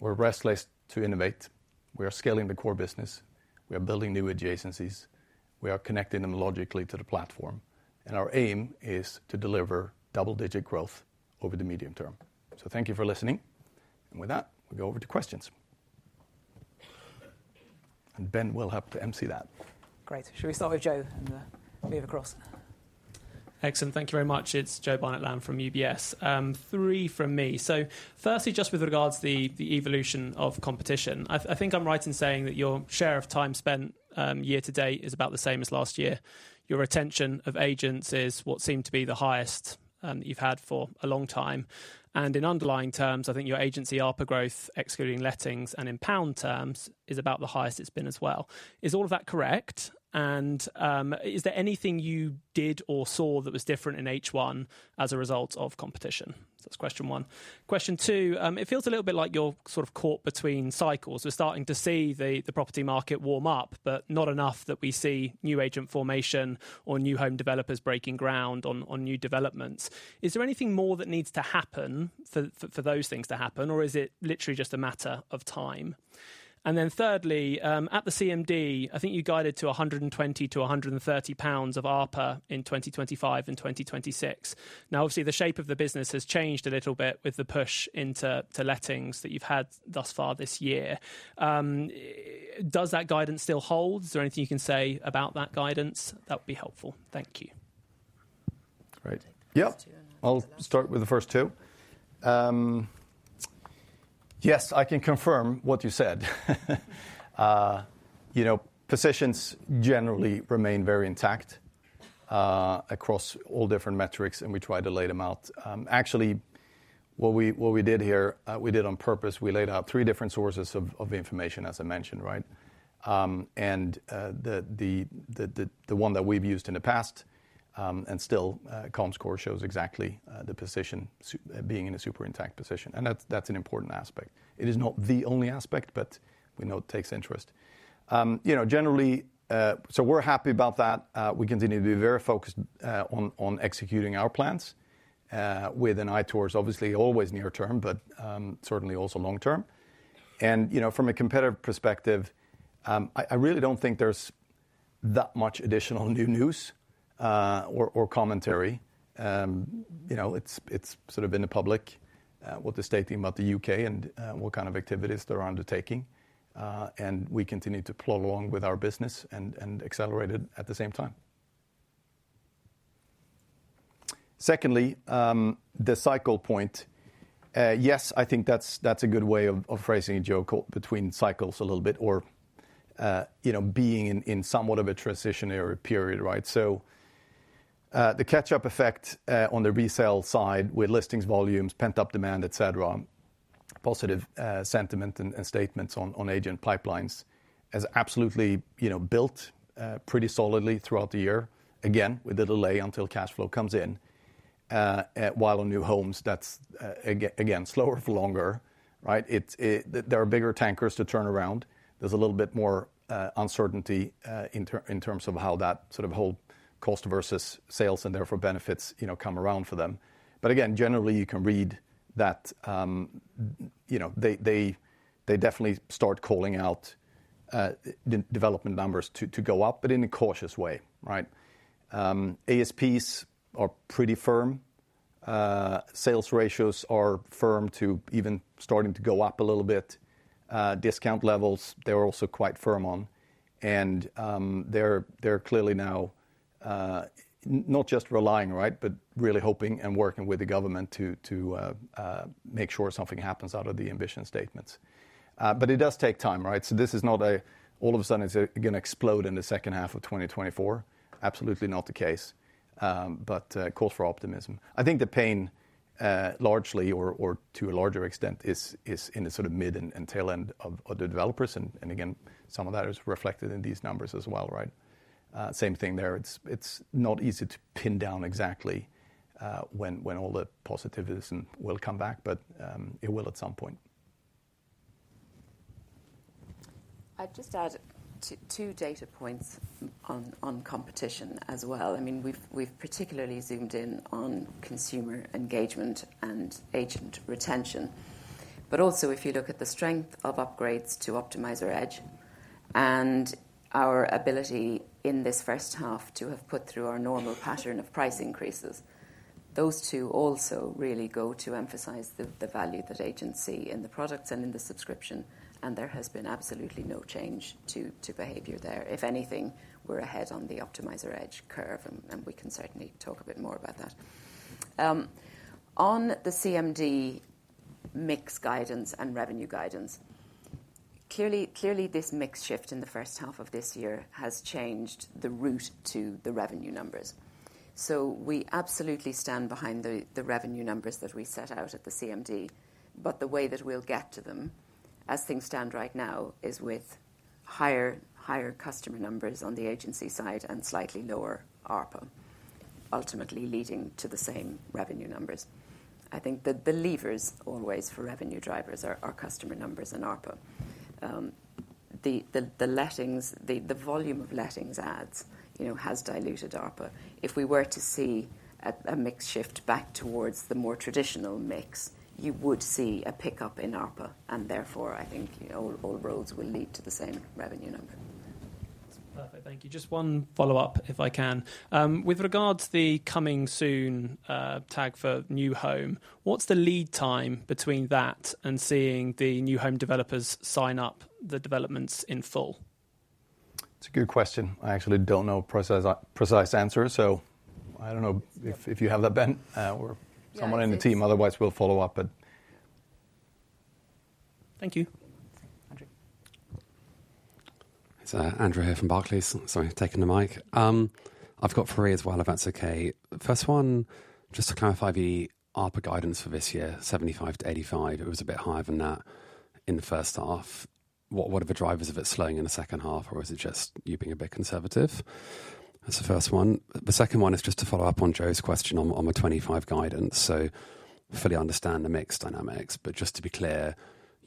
S1: We're restless to innovate. We are scaling the core business. We are building new adjacencies. We are connecting them logically to the platform, and our aim is to deliver double-digit growth over the medium term. So thank you for listening, and with that, we'll go over to questions. And Ben will help to emcee that.
S3: Great. Should we start with Joe and move across?
S4: Excellent. Thank you very much. It's Joe Barnet-Lamb from UBS. three from me. So firstly, just with regards to the evolution of competition, I think I'm right in saying that your share of time spent, year to date is about the same as last year. Your retention of agents is what seemed to be the highest, that you've had for a long time, and in underlying terms, I think your agency ARPA growth, excluding lettings and in pound terms, is about the highest it's been as well. Is all of that correct? And, is there anything you did or saw that was different in H1 as a result of competition? So that's question one. Question two, it feels a little bit like you're sort of caught between cycles. We're starting to see the property market warm up, but not enough that we see new agent formation or new home developers breaking ground on new developments. Is there anything more that needs to happen for those things to happen, or is it literally just a matter of time? And then thirdly, at the CMD, I think you guided to 120-130 pounds of ARPA in 2025 and 2026. Now, obviously, the shape of the business has changed a little bit with the push into lettings that you've had thus far this year. Does that guidance still hold? Is there anything you can say about that guidance? That would be helpful. Thank you.
S1: Yeah, I'll start with the first two. Yes, I can confirm what you said. You know, positions generally remain very intact across all different metrics, and we try to lay them out. Actually, what we did here, we did on purpose, we laid out three different sources of information, as I mentioned, right? And the one that we've used in the past, and still, Comscore shows exactly the positions being in a super intact position, and that's an important aspect. It is not the only aspect, but we know it takes interest. You know, generally, so we're happy about that. We continue to be very focused on executing our plans with an eye towards obviously, always near term, but certainly also long term. You know, from a competitive perspective, I really don't think there's that much additional new news or commentary. You know, it's sort of in the public, what they're stating about the UK and what kind of activities they're undertaking, and we continue to plow along with our business and accelerate it at the same time. Secondly, the cycle point. Yes, I think that's a good way of phrasing it, Joe, caught between cycles a little bit or you know, being in somewhat of a transitionary period, right? So, the catch-up effect on the resale side with listings, volumes, pent-up demand, et cetera, positive sentiment and statements on agent pipelines has absolutely, you know, built pretty solidly throughout the year, again, with a delay until cash flow comes in. While on new homes, that's again, slower for longer, right? It's there are bigger tankers to turn around. There's a little bit more uncertainty in terms of how that sort of whole cost versus sales and therefore benefits, you know, come around for them. But again, generally, you can read that, you know, they definitely start calling out the development numbers to go up, but in a cautious way, right? ASPs are pretty firm. Sales ratios are firm to even starting to go up a little bit. Discount levels, they're also quite firm on, and they're clearly now not just relying, right, but really hoping and working with the government to make sure something happens out of the ambition statements. But it does take time, right? So this is not all of a sudden, it's going to explode in the second half of 2024. Absolutely not the case, but cause for optimism. I think the pain largely, or to a larger extent, is in the sort of mid and tail end of the developers. And again, some of that is reflected in these numbers as well, right? Same thing there. It's not easy to pin down exactly when all the optimism will come back, but it will at some point.
S2: I'd just add two, two data points on competition as well. I mean, we've particularly zoomed in on consumer engagement and agent retention. But also, if you look at the strength of upgrades to Optimizer Edge and our ability in this first half to have put through our normal pattern of price increases, those two also really go to emphasize the value that agents see in the products and in the subscription, and there has been absolutely no change to behavior there. If anything, we're ahead on the Optimizer Edge curve, and we can certainly talk a bit more about that. On the CMD mix guidance and revenue guidance, clearly, this mix shift in the first half of this year has changed the route to the revenue numbers. So we absolutely stand behind the revenue numbers that we set out at the CMD, but the way that we'll get to them, as things stand right now, is with higher customer numbers on the agency side and slightly lower ARPA, ultimately leading to the same revenue numbers. I think that the levers always for revenue drivers are customer numbers and ARPA. The volume of lettings ads, you know, has diluted ARPA. If we were to see a mix shift back towards the more traditional mix, you would see a pickup in ARPA, and therefore, I think all roads will lead to the same revenue number.
S4: That's perfect. Thank you. Just one follow-up, if I can. With regards to the Coming Soon tag for New Homes, what's the lead time between that and seeing the New Homes developers sign up the developments in full?
S1: It's a good question. I actually don't know a precise, precise answer, so I don't know if you have that, Ben, or-
S3: Yeah.
S1: someone in the team, otherwise, we'll follow up, but...
S4: Thank you.
S3: Andrew.
S5: It's Andrew here from Barclays. Sorry, I've taken the mic. I've got three as well, if that's okay. The first one, just to clarify the ARPA guidance for this year, 75-85, it was a bit higher than that in the first half. What, what are the drivers of it slowing in the second half, or is it just you being a bit conservative? That's the first one. The second one is just to follow up on Joe's question on the, on the 2025 guidance. So fully understand the mix dynamics, but just to be clear,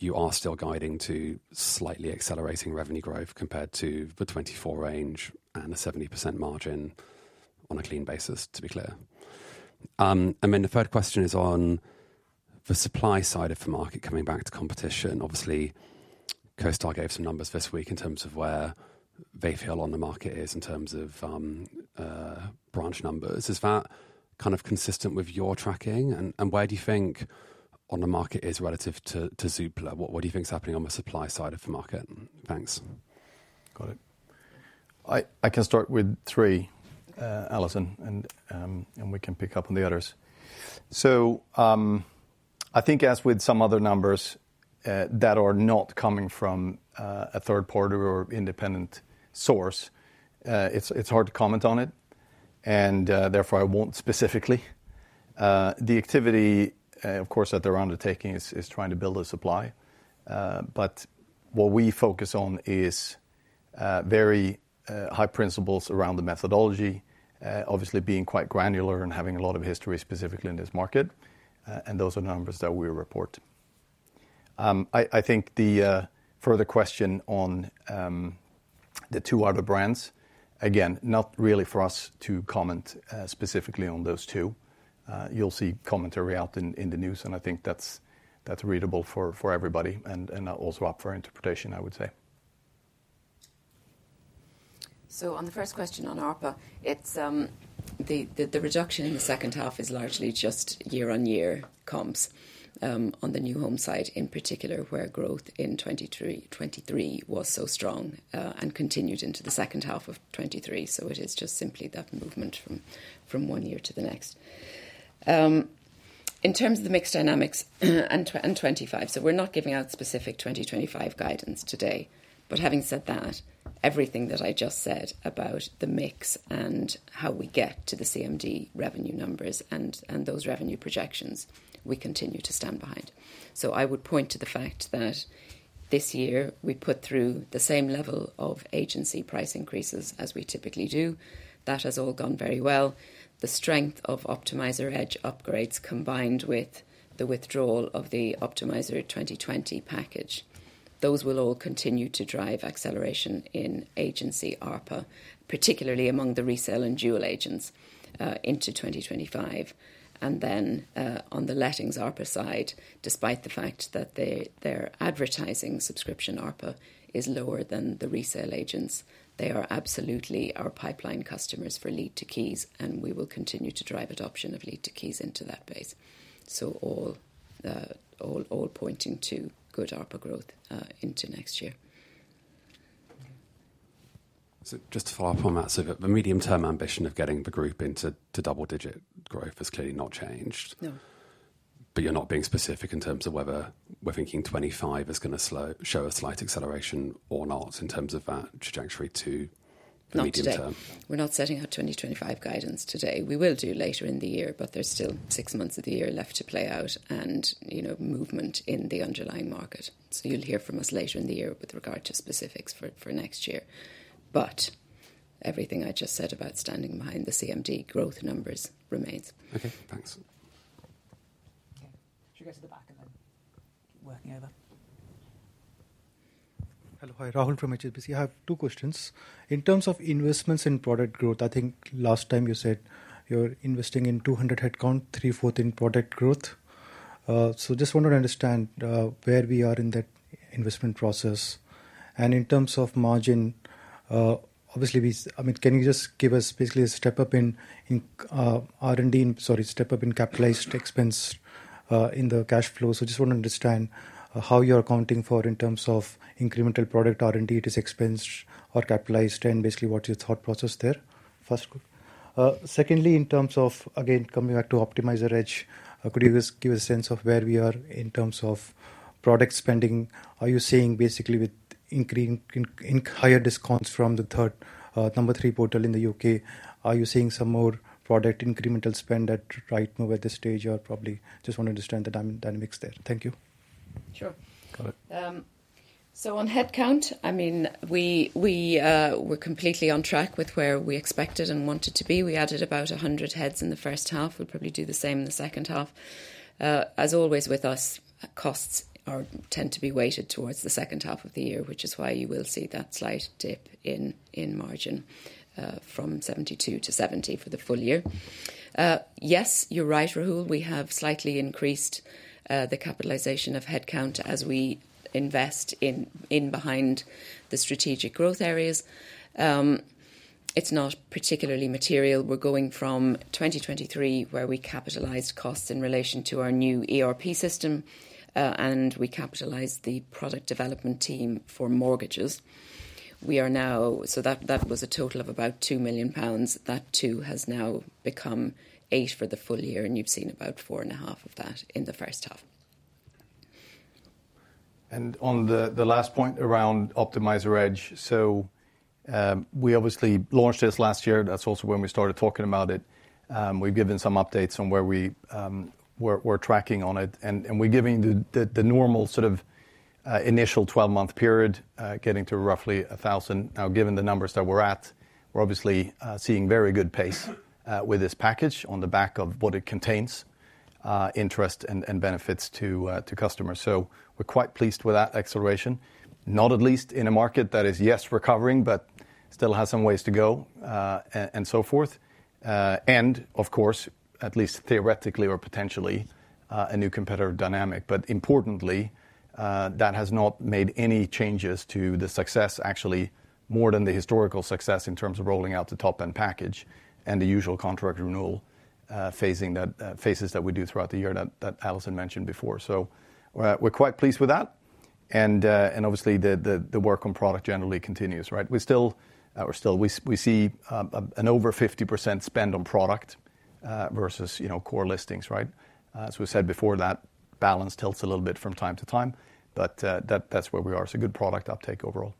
S5: you are still guiding to slightly accelerating revenue growth compared to the 2024 range and a 70% margin on a clean basis, to be clear. And then the third question is on the supply side of the market coming back to competition. Obviously, CoStar gave some numbers this week in terms of where they feel OnTheMarket is in terms of branch numbers. Is that kind of consistent with your tracking? And where do you think OnTheMrket is relative to Zoopla? What do you think is happening on the supply side of the market? Thanks.
S1: Got it. I can start with three, Alison, and we can pick up on the others. So, I think as with some other numbers that are not coming from a third party or independent source, it's hard to comment on it, and therefore, I won't specifically. The activity, of course, that they're undertaking is trying to build a supply, but what we focus on is very high principles around the methodology, obviously being quite granular and having a lot of history, specifically in this market, and those are numbers that we report. I think the further question on the two other brands, again, not really for us to comment specifically on those two. You'll see commentary out in the news, and I think that's readable for everybody and also up for interpretation, I would say.
S2: So on the first question on ARPA, it's the reduction in the second half is largely just year-on-year comps on the new home side, in particular, where growth in 2023 was so strong and continued into the second half of 2023. So it is just simply that movement from one year to the next. In terms of the mix dynamics and 2025, so we're not giving out specific 2025 guidance today. But having said that, everything that I just said about the mix and how we get to the CMD revenue numbers and those revenue projections, we continue to stand behind. So I would point to the fact that this year we put through the same level of agency price increases as we typically do. That has all gone very well. The strength of Optimizer Edge upgrades, combined with the withdrawal of the Optimizer 2020 package, those will all continue to drive acceleration in agency ARPA, particularly among the resale and dual agents, into 2025. And then, on the lettings ARPA side, despite the fact that their advertising subscription ARPA is lower than the resale agents, they are absolutely our pipeline customers for Lead to Keys, and we will continue to drive adoption of Lead to Keys into that base. So all pointing to good ARPA growth into next year.
S5: So just to follow up on that, the medium-term ambition of getting the group into double-digit growth has clearly not changed?
S2: No.
S5: But you're not being specific in terms of whether we're thinking 25 is going to slow, show a slight acceleration or not in terms of that trajectory to the medium term?
S2: Not today. We're not setting our 2025 guidance today. We will do later in the year, but there's still six months of the year left to play out and, you know, movement in the underlying market. So you'll hear from us later in the year with regard to specifics for, for next year. But everything I just said about standing behind the CMD growth numbers remains.
S5: Okay, thanks.
S3: Okay. Should we go to the back and then working over?
S6: Hello, hi, Rahul from HSBC. I have two questions. In terms of investments in product growth, I think last time you said you're investing in 200 headcount, three-fourths in product growth. So just wanted to understand, where we are in that investment process. And in terms of margin, obviously, I mean, can you just give us basically a step up in R&D, sorry, step up in capitalized expense, in the cash flow? So I just want to understand, how you're accounting for in terms of incremental product R&D, it is expense or capitalized, and basically, what's your thought process there? First one. Secondly, in terms of, again, coming back to Optimizer Edge, could you just give a sense of where we are in terms of product spending? Are you seeing basically with increasing higher discounts from the third number three portal in the U.K.? Are you seeing some more product incremental spend at Rightmove now at this stage, or probably just want to understand the dynamics there. Thank you.
S2: Sure.
S1: Got it.
S2: So on headcount, I mean, we're completely on track with where we expected and wanted to be. We added about 100 heads in the first half. We'll probably do the same in the second half. As always, with us, costs tend to be weighted towards the second half of the year, which is why you will see that slight dip in margin from 72%-70% for the full-year. Yes, you're right, Rahul, we have slightly increased the capitalization of headcount as we invest in behind the strategic growth areas. It's not particularly material. We're going from 2023, where we capitalized costs in relation to our new ERP system, and we capitalized the product development team for mortgages. We are now-- So that was a total of about 2 million pounds. That too, has now become 8 for the full-year, and you've seen about 4.5 of that in the first half.
S1: And on the last point around Optimizer Edge, so, we obviously launched this last year. That's also when we started talking about it. We've given some updates on where we're tracking on it, and we're giving the normal sort of initial 12-month period getting to roughly 1,000. Now, given the numbers that we're at, we're obviously seeing very good pace with this package on the back of what it contains, interest and benefits to customers. So we're quite pleased with that acceleration. Not at least in a market that is, yes, recovering, but still has some ways to go, and so forth. And of course, at least theoretically or potentially, a new competitor dynamic. But importantly, that has not made any changes to the success, actually more than the historical success in terms of rolling out the top-end package and the usual contract renewal phasing that phases that we do throughout the year that Alison mentioned before. So we're quite pleased with that, and obviously, the work on product generally continues, right? We're still. We see an over 50% spend on product versus, you know, core listings, right? As we said before, that balance tilts a little bit from time to time, but that's where we are. So good product uptake overall.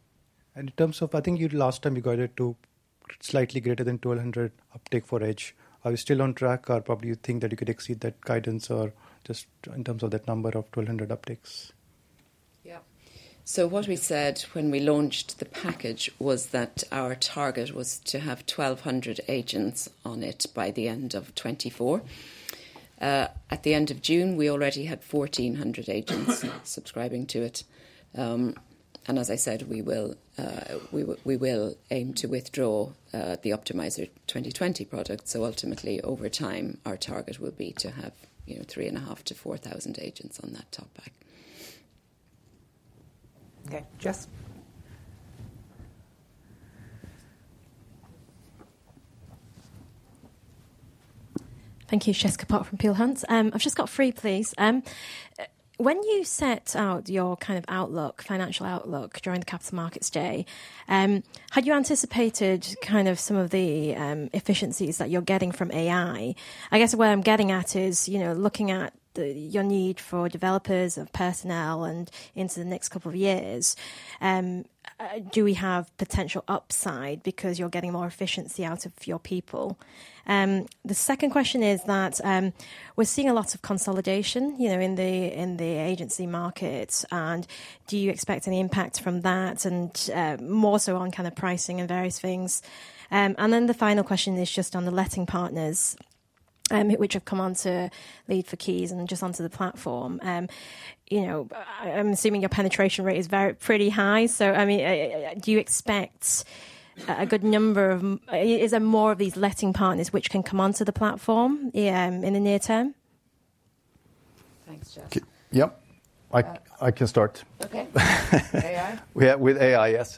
S6: In terms of, I think you last time you got it to slightly greater than 1,200 uptake for Edge. Are we still on track, or probably you think that you could exceed that guidance, or just in terms of that number of 1,200 uptakes?
S2: Yeah. So what we said when we launched the package was that our target was to have 1,200 agents on it by the end of 2024. At the end of June, we already had 1,400 agents subscribing to it. And as I said, we will aim to withdraw the Optimizer 2020 product, so ultimately, over time, our target will be to have, you know, 3,500-4,000 agents on that top pack.
S3: Okay, Jess?
S7: Thank you. Jessica Pok from Peel Hunt. I've just got three, please. When you set out your kind of outlook, financial outlook during the Capital Markets Day, had you anticipated kind of some of the efficiencies that you're getting from AI? I guess where I'm getting at is, you know, looking at your need for developers and personnel and into the next couple of years, do we have potential upside because you're getting more efficiency out of your people? The second question is that, we're seeing a lot of consolidation, you know, in the agency market, and do you expect any impact from that? And more so on kind of pricing and various things. And then the final question is just on the letting partners, which have come on to Lead to Keys and just onto the platform. You know, I'm assuming your penetration rate is very, pretty high. So, I mean, do you expect a, a good number of... Is there more of these letting partners which can come onto the platform, in the near term?
S3: Thanks, Jess.
S1: Yep, I can start.
S2: Okay. AI?
S1: Yeah, with AI, yes.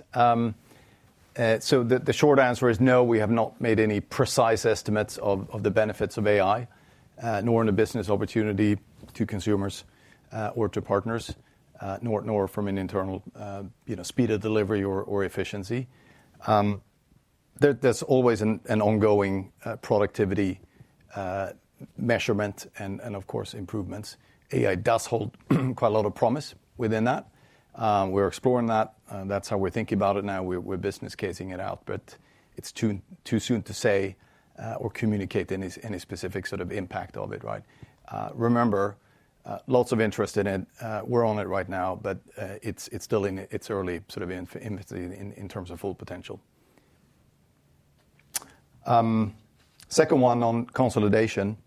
S1: So the short answer is no, we have not made any precise estimates of the benefits of AI, nor in the business opportunity to consumers, or to partners, nor from an internal, you know, speed of delivery or efficiency. There's always an ongoing productivity measurement and, of course, improvements. AI does hold quite a lot of promise within that. We're exploring that, and that's how we're thinking about it now. We're business casing it out, but it's too soon to say or communicate any specific sort of impact of it, right? Remember, lots of interest in it, we're on it right now, but it's still in its early, sort of, infancy in terms of full potential. Second one on consolidation.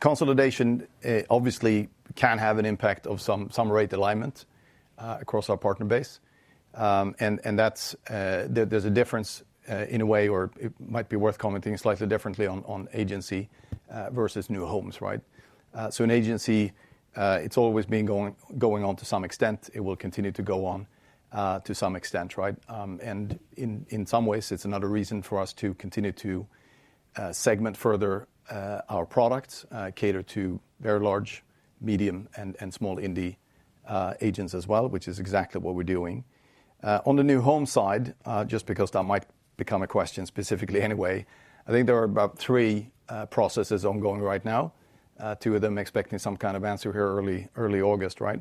S1: Consolidation obviously can have an impact of some rate alignment across our partner base. And that's a difference in a way, or it might be worth commenting slightly differently on agency versus new homes, right? An agency, it's always been going on to some extent. It will continue to go on to some extent, right? And in some ways, it's another reason for us to continue to segment further our products, cater to very large, medium, and small indie agents as well, which is exactly what we're doing. On the new home side, just because that might become a question specifically anyway, I think there are about three processes ongoing right now, two of them expecting some kind of answer here early August, right?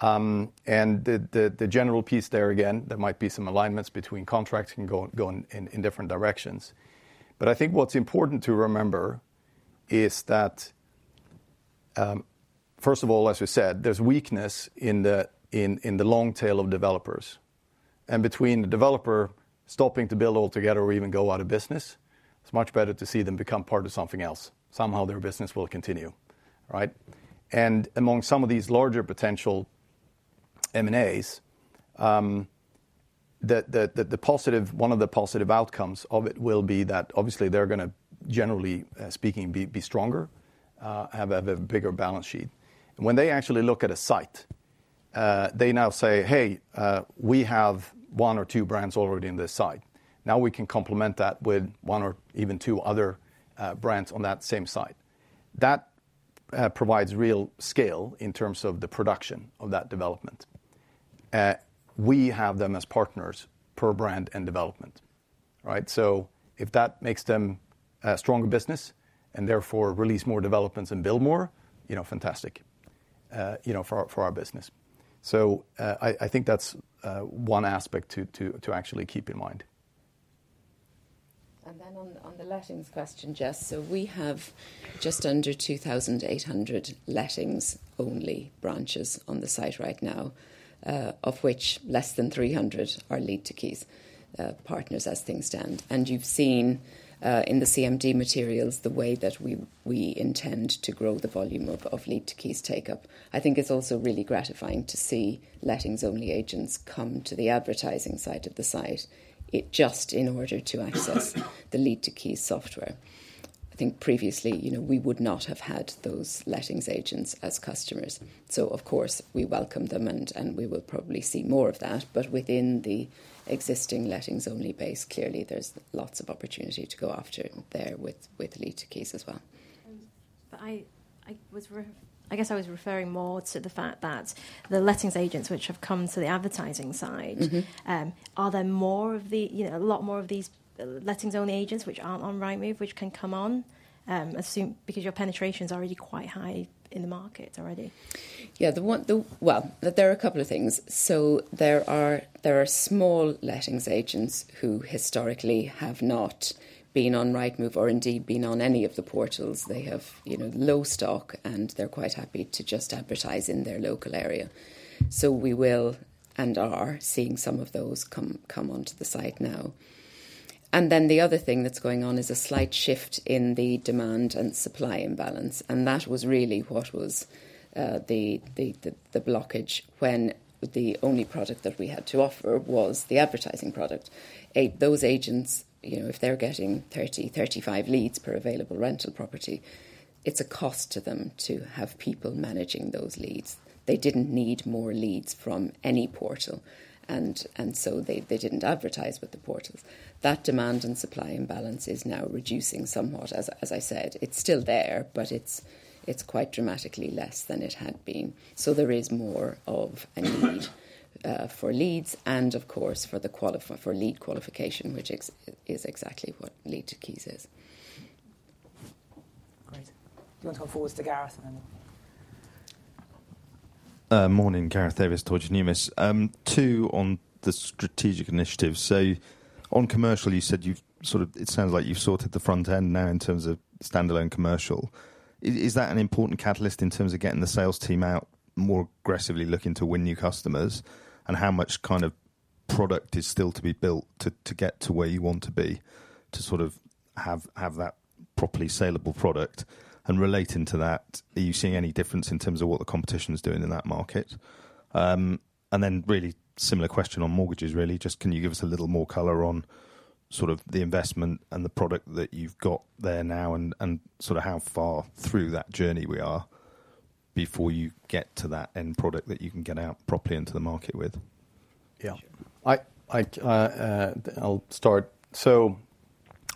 S1: And the general piece there, again, there might be some alignments between contracts can go going in different directions. But I think what's important to remember is that, first of all, as you said, there's weakness in the long tail of developers. And between the developer stopping to build altogether or even go out of business, it's much better to see them become part of something else. Somehow their business will continue, right? And among some of these larger potential M&As, the positive, one of the positive outcomes of it will be that obviously they're gonna, generally speaking, be stronger, have a bigger balance sheet. When they actually look at a site, they now say, "Hey, we have one or two brands already on this site. Now we can complement that with one or even two other brands on that same site." That provides real scale in terms of the production of that development. We have them as partners per brand and development, right? So if that makes them a stronger business and therefore release more developments and build more, you know, fantastic, you know, for our business. So, I think that's one aspect to actually keep in mind.
S2: And then on the lettings question, Jess, so we have just under 2,800 lettings-only branches on the site right now, of which less than 300 are Lead to Keys partners as things stand. And you've seen in the CMD materials, the way that we intend to grow the volume of Lead to Keys take up. I think it's also really gratifying to see lettings-only agents come to the advertising side of the site, just in order to access the Lead to Keys software. I think previously, you know, we would not have had those lettings agents as customers. So of course, we welcome them, and we will probably see more of that. But within the existing lettings-only base, clearly there's lots of opportunity to go after there with Lead to Keys as well.
S7: but I guess I was referring more to the fact that the lettings agents, which have come to the advertising side- Are there more of the, you know, a lot more of these lettings-only agents, which aren't on Rightmove, which can come on? Assume, because your penetration is already quite high in the market already.
S2: Yeah. Well, there are a couple of things. So there are small lettings agents who historically have not been on Rightmove or indeed been on any of the portals. They have, you know, low stock, and they're quite happy to just advertise in their local area. So we will, and are, seeing some of those come onto the site now. And then the other thing that's going on is a slight shift in the demand and supply imbalance, and that was really what was the blockage when the only product that we had to offer was the advertising product. Those agents, you know, if they're getting 30-35 leads per available rental property, it's a cost to them to have people managing those leads. They didn't need more leads from any portal, and so they didn't advertise with the portals. That demand and supply imbalance is now reducing somewhat, as I said. It's still there, but it's quite dramatically less than it had been. So there is more of a need for leads and, of course, for lead qualification, which is exactly what Lead to Keys is.
S3: Great. Do you want to go forward to Gareth and then?
S8: Morning, Gareth Davies, Deutsche Numis. Two on the strategic initiatives. So on commercial, you said you've sort of, it sounds like you've sorted the front end now in terms of standalone commercial. Is that an important catalyst in terms of getting the sales team out more aggressively looking to win new customers? And how much kind of product is still to be built to get to where you want to be, to sort of have that properly saleable product? And relating to that, are you seeing any difference in terms of what the competition is doing in that market? And then really similar question on mortgages, really. Just can you give us a little more color on sort of the investment and the product that you've got there now, and, and sort of how far through that journey we are before you get to that end product that you can get out properly into the market with?
S1: Yeah. I'll start. So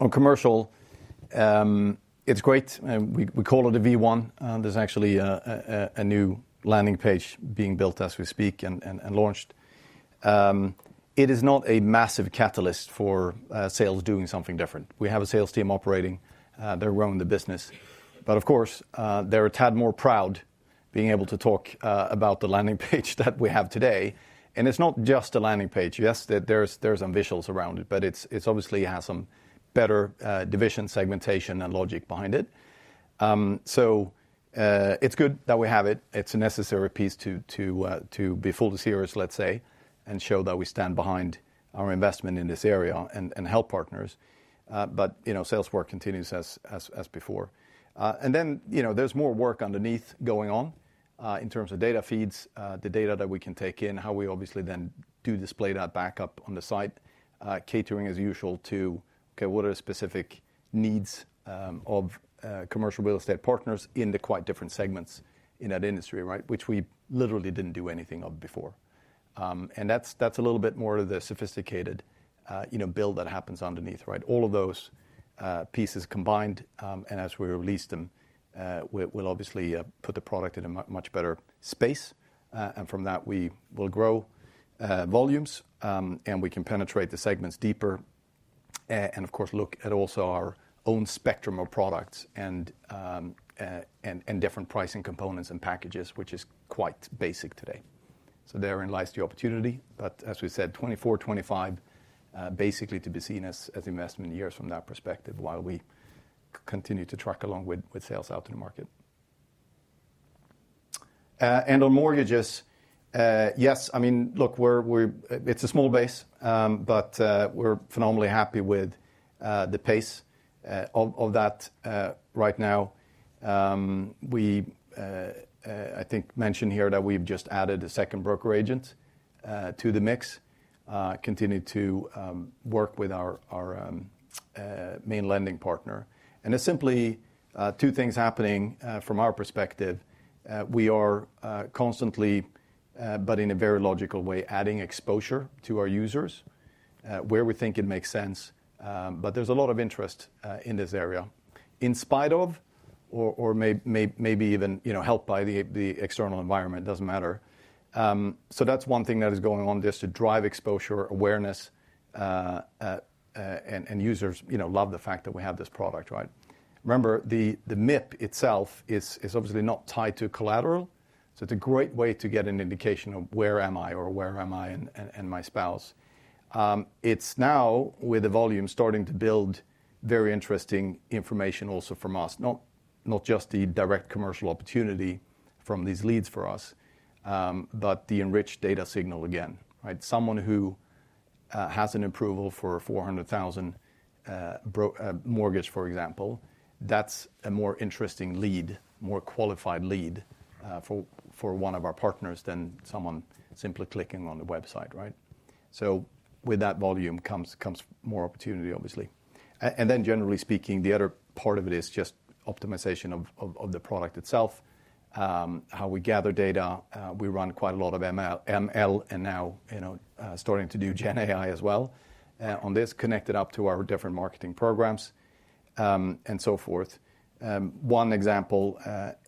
S1: on commercial, it's great, and we call it a V one. There's actually a new landing page being built as we speak and launched. It is not a massive catalyst for sales doing something different. We have a sales team operating, they're running the business. But of course, they're a tad more proud being able to talk about the landing page that we have today. And it's not just a landing page. Yes, there's some visuals around it, but it obviously has some better division, segmentation, and logic behind it. So it's good that we have it. It's a necessary piece to be fully serious, let's say, and show that we stand behind our investment in this area and help partners. But, you know, sales work continues as before. And then, you know, there's more work underneath going on in terms of data feeds, the data that we can take in, how we obviously then do display that back up on the site, catering as usual to, okay, what are the specific needs of commercial real estate partners in the quite different segments in that industry, right? Which we literally didn't do anything of before. And that's a little bit more of the sophisticated, you know, build that happens underneath, right? All of those pieces combined, and as we release them, will obviously put the product in a much better space, and from that we will grow volumes, and we can penetrate the segments deeper, and of course, look at also our own spectrum of products and different pricing components and packages, which is quite basic today. So therein lies the opportunity. But as we said, 2024, 2025, basically to be seen as investment years from that perspective, while we continue to track along with sales out in the market. And on mortgages, yes, I mean, look, we're. It's a small base, but we're phenomenally happy with the pace of that right now. We, I think, mentioned here that we've just added a second broker agent to the mix, continue to work with our main lending partner. And there's simply two things happening from our perspective. We are constantly, but in a very logical way, adding exposure to our users where we think it makes sense. But there's a lot of interest in this area, in spite of, or maybe even, you know, helped by the external environment, doesn't matter. So that's one thing that is going on, just to drive exposure, awareness, and users, you know, love the fact that we have this product, right? Remember, the MIP itself is obviously not tied to collateral, so it's a great way to get an indication of where am I, or where am I and my spouse. It's now with the volume starting to build very interesting information also from us, not just the direct commercial opportunity from these leads for us, but the enriched data signal again, right? Someone who has an approval for a 400,000 mortgage, for example, that's a more interesting lead, more qualified lead, for one of our partners than someone simply clicking on the website, right? So with that volume comes more opportunity, obviously. And then generally speaking, the other part of it is just optimization of the product itself, how we gather data. We run quite a lot of ML, ML and now, you know, starting to do Gen AI as well, on this, connected up to our different marketing programs, and so forth. One example,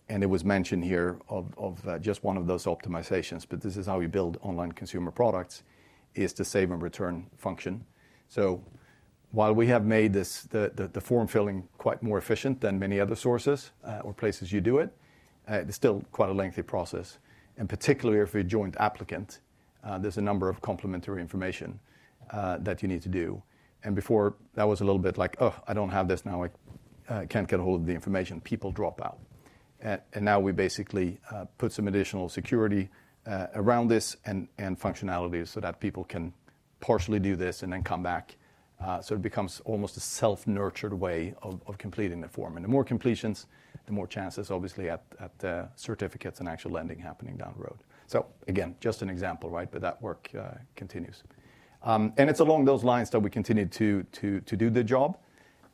S1: and it was mentioned here, of just one of those optimizations, but this is how we build online consumer products, is the save and return function. So while we have made this, the form filling quite more efficient than many other sources, or places you do it, it's still quite a lengthy process. And particularly if you're a joint applicant, there's a number of complementary information, that you need to do. And before, that was a little bit like, "Ugh, I don't have this now. I can't get a hold of the information," people drop out. Now we basically put some additional security around this and functionality so that people can partially do this and then come back. So it becomes almost a self-nurtured way of completing the form. And the more completions, the more chances, obviously, at the certificates and actual lending happening down the road. So again, just an example, right? But that work continues. And it's along those lines that we continue to do the job.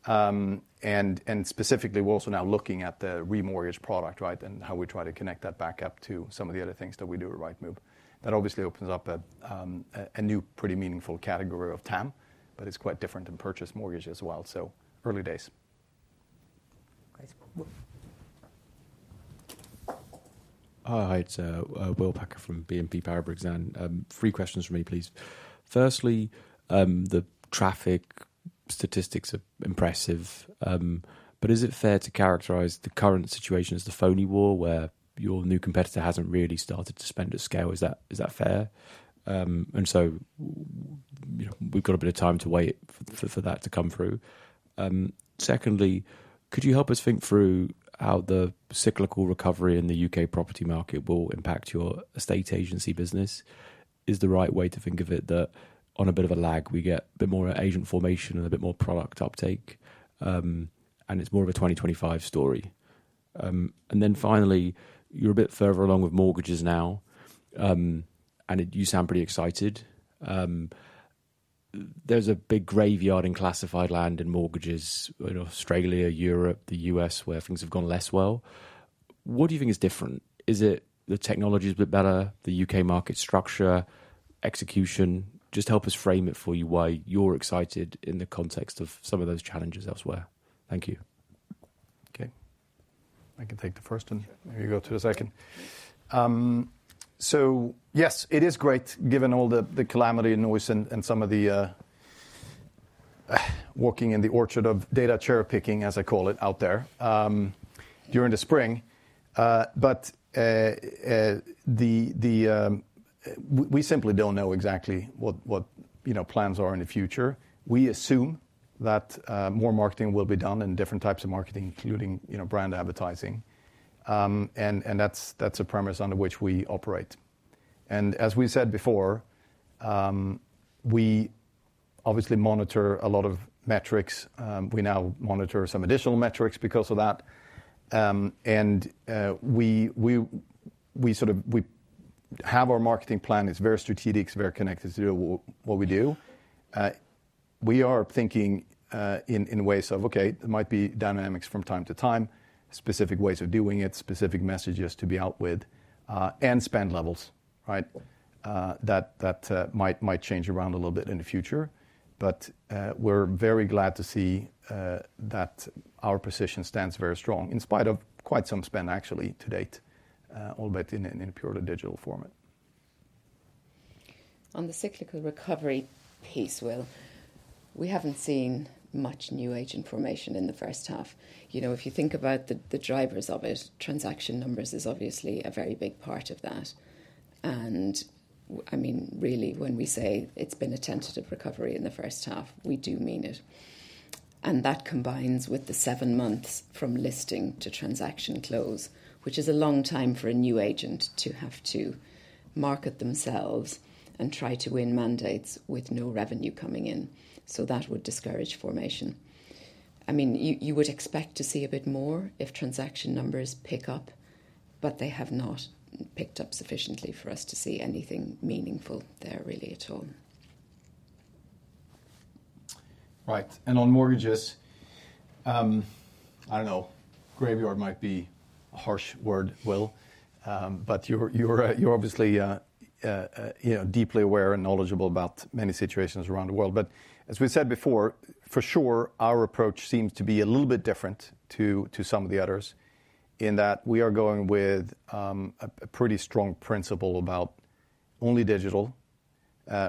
S1: And specifically, we're also now looking at the remortgage product, right? And how we try to connect that back up to some of the other things that we do at Rightmove. That obviously opens up a new, pretty meaningful category of TAM, but it's quite different than purchase mortgage as well. So early days.
S8: Great. W-
S9: Hi, it's Will Packer from BNP Paribas, and three questions from me, please. Firstly, the traffic statistics are impressive, but is it fair to characterize the current situation as the phony war, where your new competitor hasn't really started to spend at scale? Is that fair? And so, you know, we've got a bit of time to wait for that to come through. Secondly, could you help us think through how the cyclical recovery in the U.K. property market will impact your estate agency business? Is the right way to think of it that on a bit of a lag, we get a bit more agent formation and a bit more product uptake, and it's more of a 2025 story. And then finally, you're a bit further along with mortgages now, and you sound pretty excited. There's a big graveyard in classifieds, land and mortgages in Australia, Europe, the U.S., where things have gone less well. What do you think is different? Is it the technology is a bit better, the U.K. market structure, execution? Just help us frame it for you why you're excited in the context of some of those challenges elsewhere. Thank you.
S1: Okay. I can take the first one, maybe go to the second. So yes, it is great, given all the calamity and noise and some of the walking in the orchard of data cherry-picking, as I call it, out there during the spring. But we simply don't know exactly what you know plans are in the future. We assume that more marketing will be done and different types of marketing, including you know brand advertising. And that's a premise under which we operate. And as we said before, we obviously monitor a lot of metrics. We now monitor some additional metrics because of that. And we have our marketing plan. It's very strategic, it's very connected to what we do. We are thinking in ways of, okay, there might be dynamics from time to time, specific ways of doing it, specific messages to be out with, and spend levels, right? That might change around a little bit in the future. But, we're very glad to see that our position stands very strong, in spite of quite some spend actually to date, all but in purely digital format.
S2: On the cyclical recovery piece, Will, we haven't seen much new agent formation in the first half. You know, if you think about the drivers of it, transaction numbers is obviously a very big part of that. I mean, really, when we say it's been a tentative recovery in the first half, we do mean it. And that combines with the seven months from listing to transaction close, which is a long time for a new agent to have to market themselves and try to win mandates with no revenue coming in. So that would discourage formation. I mean, you would expect to see a bit more if transaction numbers pick up, but they have not picked up sufficiently for us to see anything meaningful there really at all.
S1: Right. And on mortgages, I don't know, graveyard might be a harsh word, Will, but you're obviously, you know, deeply aware and knowledgeable about many situations around the world. But as we said before, for sure, our approach seems to be a little bit different to some of the others in that we are going with a pretty strong principle about only digital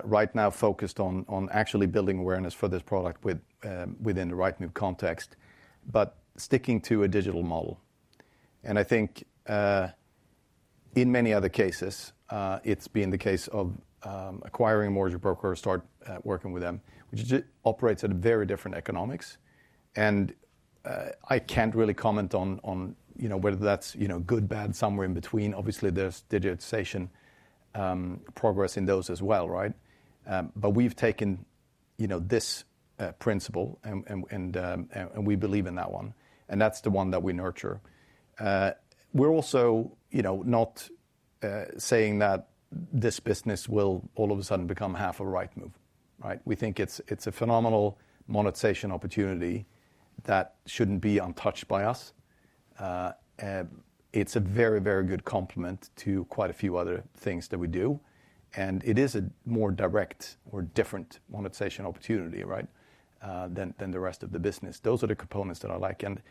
S1: right now focused on actually building awareness for this product within the Rightmove context, but sticking to a digital model. And I think in many other cases, it's been the case of acquiring a mortgage broker or start working with them, which operates at a very different economics. And I can't really comment on you know, whether that's, you know, good, bad, somewhere in between. Obviously, there's digitization, progress in those as well, right? But we've taken, you know, this principle, and we believe in that one, and that's the one that we nurture. We're also, you know, not saying that this business will all of a sudden become half of Rightmove, right? We think it's a phenomenal monetization opportunity that shouldn't be untouched by us. It's a very, very good complement to quite a few other things that we do, and it is a more direct or different monetization opportunity, right, than the rest of the business. Those are the components that I like. And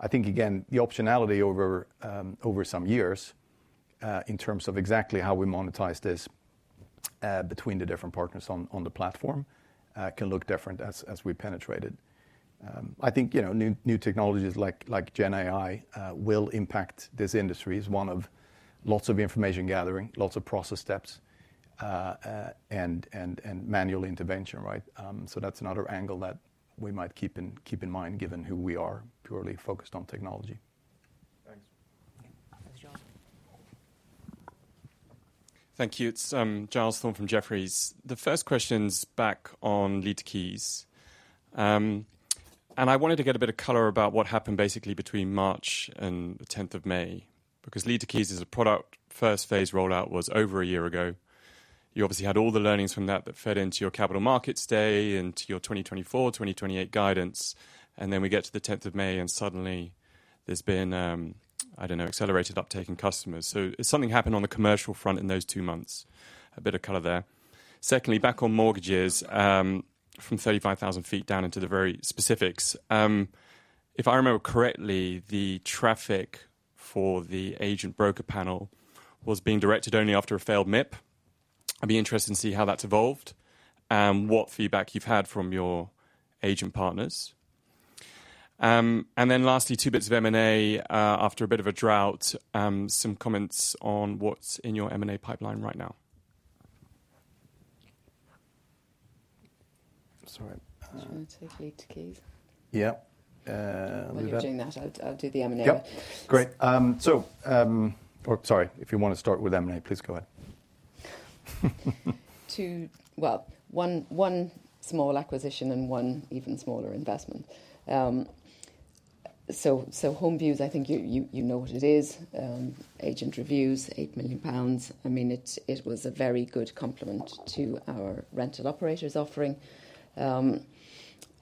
S1: I think, again, the optionality over some years, in terms of exactly how we monetize this, between the different partners on the platform, can look different as we penetrate it. I think, you know, new technologies like GenAI will impact this industry. It's one of lots of information gathering, lots of process steps, and manual intervention, right? So that's another angle that we might keep in mind, given who we are, purely focused on technology.
S9: Thanks.
S3: Yeah. Giles?
S10: Thank you. It's Giles Thorne from Jefferies. The first question's back on Lead to Keys. I wanted to get a bit of color about what happened basically between March and the tenth of May, because Lead to Keys is a product, first phase rollout was over a year ago. You obviously had all the learnings from that, that fed into your capital markets day, into your 2024, 2028 guidance. Then we get to the tenth of May, and suddenly there's been, I don't know, accelerated uptake in customers. So did something happen on the commercial front in those two months? A bit of color there. Secondly, back on mortgages, from 35,000 feet down into the very specifics, if I remember correctly, the traffic for the agent broker panel was being directed only after a failed MIP. I'd be interested to see how that's evolved and what feedback you've had from your agent partners. And then lastly, two bits of M&A, after a bit of a drought, some comments on what's in your M&A pipeline right now.
S1: Sorry, uh-
S2: Do you want to take Lead to Keys?
S1: Yeah, do that.
S2: While you're doing that, I'll do the M&A.
S1: Yep, great. Or sorry, if you want to start with M&A, please go ahead.
S2: Well, one small acquisition and one even smaller investment. So, HomeViews, I think you know what it is, agent reviews, 8 million pounds. I mean, it was a very good complement to our rental operators offering. And,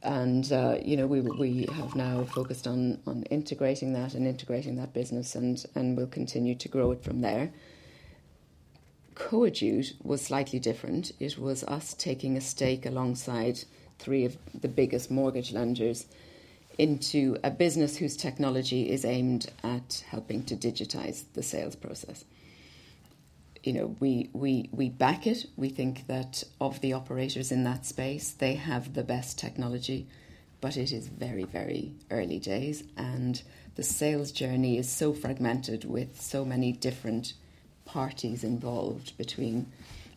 S2: you know, we have now focused on integrating that and integrating that business, and we'll continue to grow it from there. Coadjute was slightly different. It was us taking a stake alongside three of the biggest mortgage lenders into a business whose technology is aimed at helping to digitize the sales process. You know, we back it. We think that of the operators in that space, they have the best technology, but it is very, very early days, and the sales journey is so fragmented with so many different parties involved between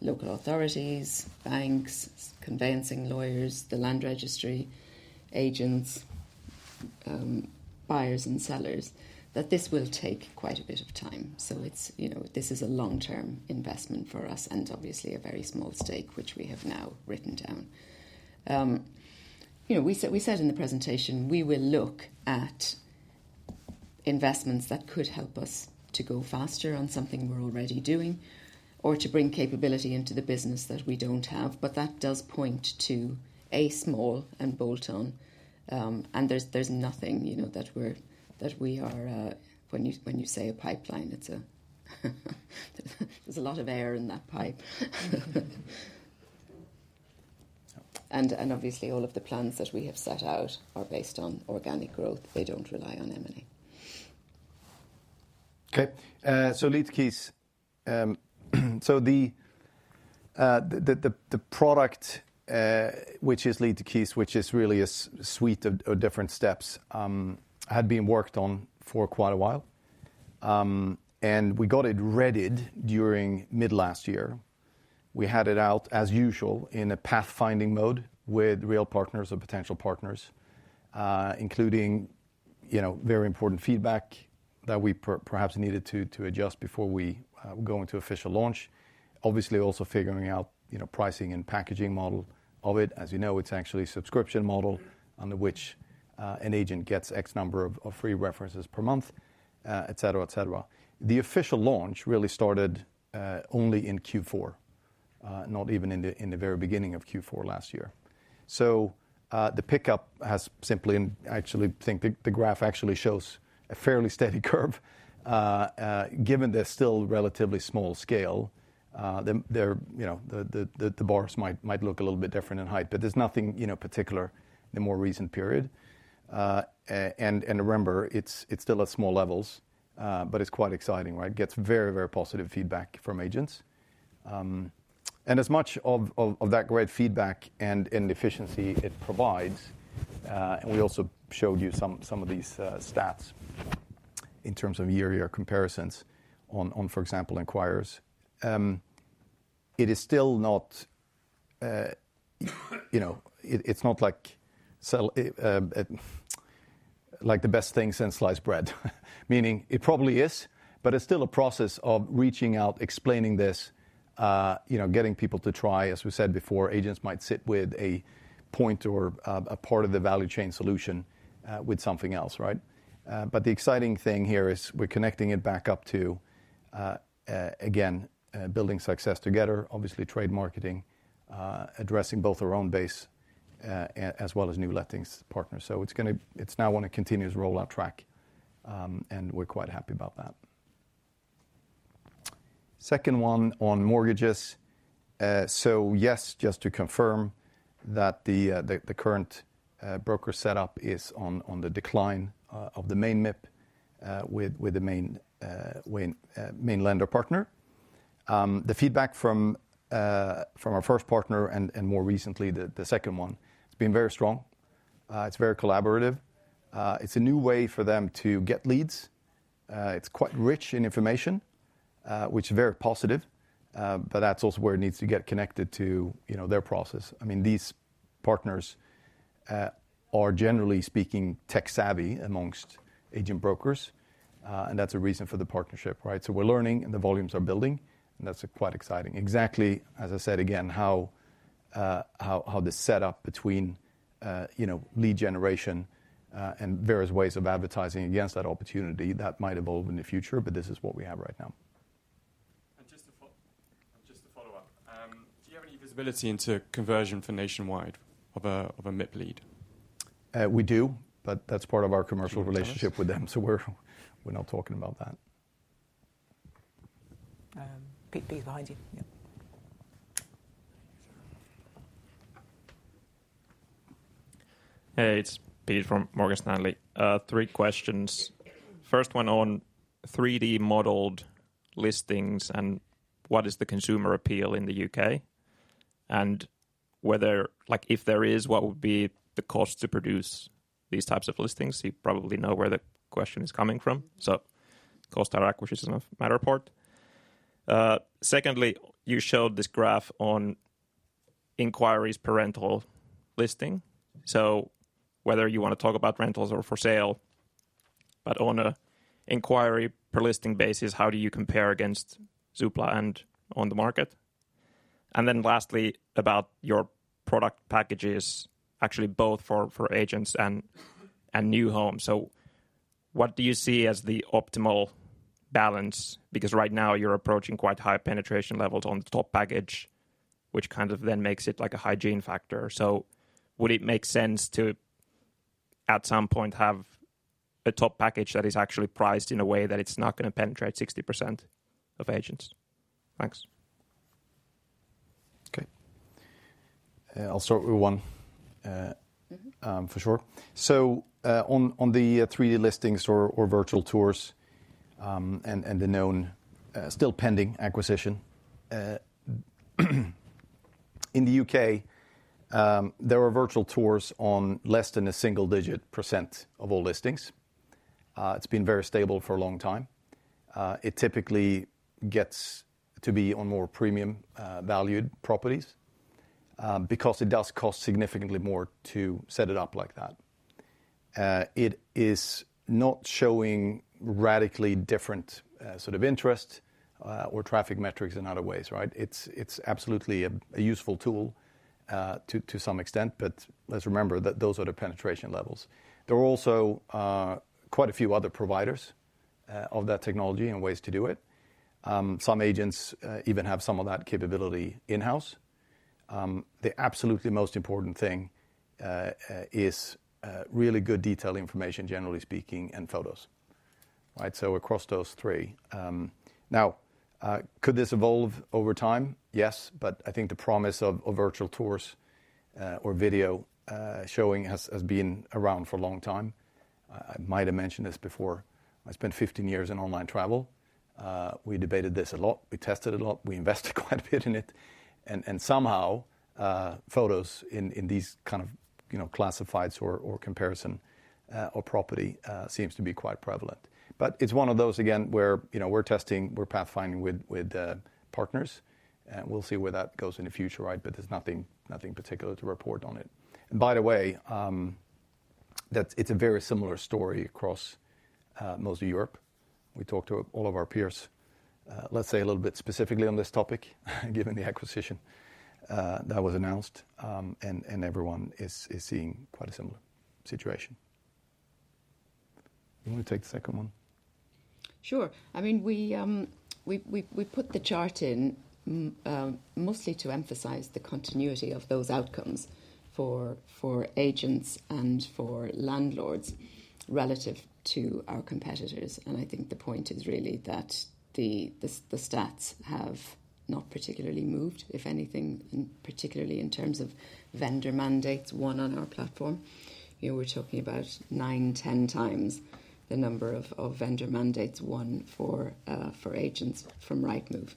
S2: local authorities, banks, conveyancing lawyers, the land registry, agents, buyers and sellers, that this will take quite a bit of time. So it's, you know, this is a long-term investment for us and obviously a very small stake, which we have now written down. You know, we said, we said in the presentation, we will look at investments that could help us to go faster on something we're already doing or to bring capability into the business that we don't have, but that does point to a small and bolt-on. And there's, there's nothing, you know, that we're, that we are. When you say a pipeline, it's that there's a lot of air in that pipe.... and obviously all of the plans that we have set out are based on organic growth. They don't rely on M&A.
S1: Okay, so Lead to Keys. So the product, which is Lead to Keys, which is really a suite of different steps, had been worked on for quite a while. And we got it readied during mid-last year. We had it out as usual, in a pathfinding mode with real partners or potential partners, including, you know, very important feedback that we perhaps needed to adjust before we go into official launch. Obviously, also figuring out, you know, pricing and packaging model of it. As you know, it's actually a subscription model under which an agent gets X number of free references per month, et cetera, et cetera. The official launch really started only in Q4, not even in the very beginning of Q4 last year. So, the pickup has simply... and I actually think the graph actually shows a fairly steady curve, given the still relatively small scale. There, you know, the bars might look a little bit different in height, but there's nothing, you know, particular in the more recent period. And remember, it's still at small levels, but it's quite exciting, right? Gets very, very positive feedback from agents. And as much of that great feedback and efficiency it provides, and we also showed you some of these stats in terms of year-over-year comparisons on, for example, inquirers. It is still not, you know, it's not like, well, like the best thing since sliced bread. Meaning, it probably is, but it's still a process of reaching out, explaining this, you know, getting people to try. As we said before, agents might sit with a point or a part of the value chain solution with something else, right? But the exciting thing here is we're connecting it back up to, again, Building Success Together, obviously trade marketing, addressing both our own base as well as new lettings partners. So it's gonna—it's now on a continuous rollout track, and we're quite happy about that. Second one on mortgages. So yes, just to confirm that the current broker setup is on the decline of the main MIP with the main lender partner. The feedback from our first partner and more recently, the second one, has been very strong. It's very collaborative. It's a new way for them to get leads. It's quite rich in information, which is very positive, but that's also where it needs to get connected to, you know, their process. I mean, these partners are generally speaking, tech savvy amongst agent brokers, and that's a reason for the partnership, right? So we're learning, and the volumes are building, and that's quite exciting. Exactly, as I said again, how the setup between, you know, lead generation and various ways of advertising against that opportunity, that might evolve in the future, but this is what we have right now.
S10: Just to follow up, do you have any visibility into conversion for Nationwide of a MIP lead?
S1: We do, but that's part of our commercial relationship-
S10: Can you tell us?
S1: with them, so we're not talking about that.
S2: Pete, behind you. Yeah.
S11: Hey, it's Pete from Morgan Stanley. Three questions. First one on 3D-modeled listings and what is the consumer appeal in the U.K., and whether, like, if there is, what would be the cost to produce these types of listings? You probably know where the question is coming from, so cost or acquisition of Matterport. Secondly, you showed this graph on inquiries per rental listing. So whether you want to talk about rentals or for sale, but on an inquiry per listing basis, how do you compare against Zoopla and OnTheMarket? And then lastly, about your product packages, actually both for agents and new homes. So what do you see as the optimal balance? Because right now you're approaching quite high penetration levels on the top package, which kind of then makes it like a hygiene factor. Would it make sense to, at some point, have a top package that is actually priced in a way that it's not gonna penetrate 60% of agents? Thanks.
S1: Okay. I'll start with one.... for sure. So, on the 3D listings or virtual tours, and the known still pending acquisition in the UK, there are virtual tours on less than a single-digit % of all listings. It's been very stable for a long time. It typically gets to be on more premium valued properties, because it does cost significantly more to set it up like that. It is not showing radically different sort of interest or traffic metrics in other ways, right? It's absolutely a useful tool to some extent, but let's remember that those are the penetration levels. There are also quite a few other providers of that technology and ways to do it. Some agents even have some of that capability in-house. The absolutely most important thing is really good detailed information, generally speaking, and photos. Right, so across those three. Now, could this evolve over time? Yes, but I think the promise of virtual tours or video showing has been around for a long time. I might have mentioned this before. I spent 15 years in online travel. We debated this a lot, we tested it a lot, we invested quite a bit in it. And somehow, photos in these kind of, you know, classifieds or comparison or property seems to be quite prevalent. But it's one of those, again, where, you know, we're testing, we're pathfinding with partners, and we'll see where that goes in the future, right? But there's nothing particular to report on it. And by the way, it's a very similar story across most of Europe. We talked to all of our peers, let's say a little bit specifically on this topic, given the acquisition that was announced. And everyone is seeing quite a similar situation. You wanna take the second one?
S2: Sure. I mean, we put the chart in mostly to emphasize the continuity of those outcomes for agents and for landlords relative to our competitors. And I think the point is really that the stats have not particularly moved, if anything, and particularly in terms of vendor mandates won on our platform. Here we're talking about 9x-10x the number of vendor mandates won for agents from Rightmove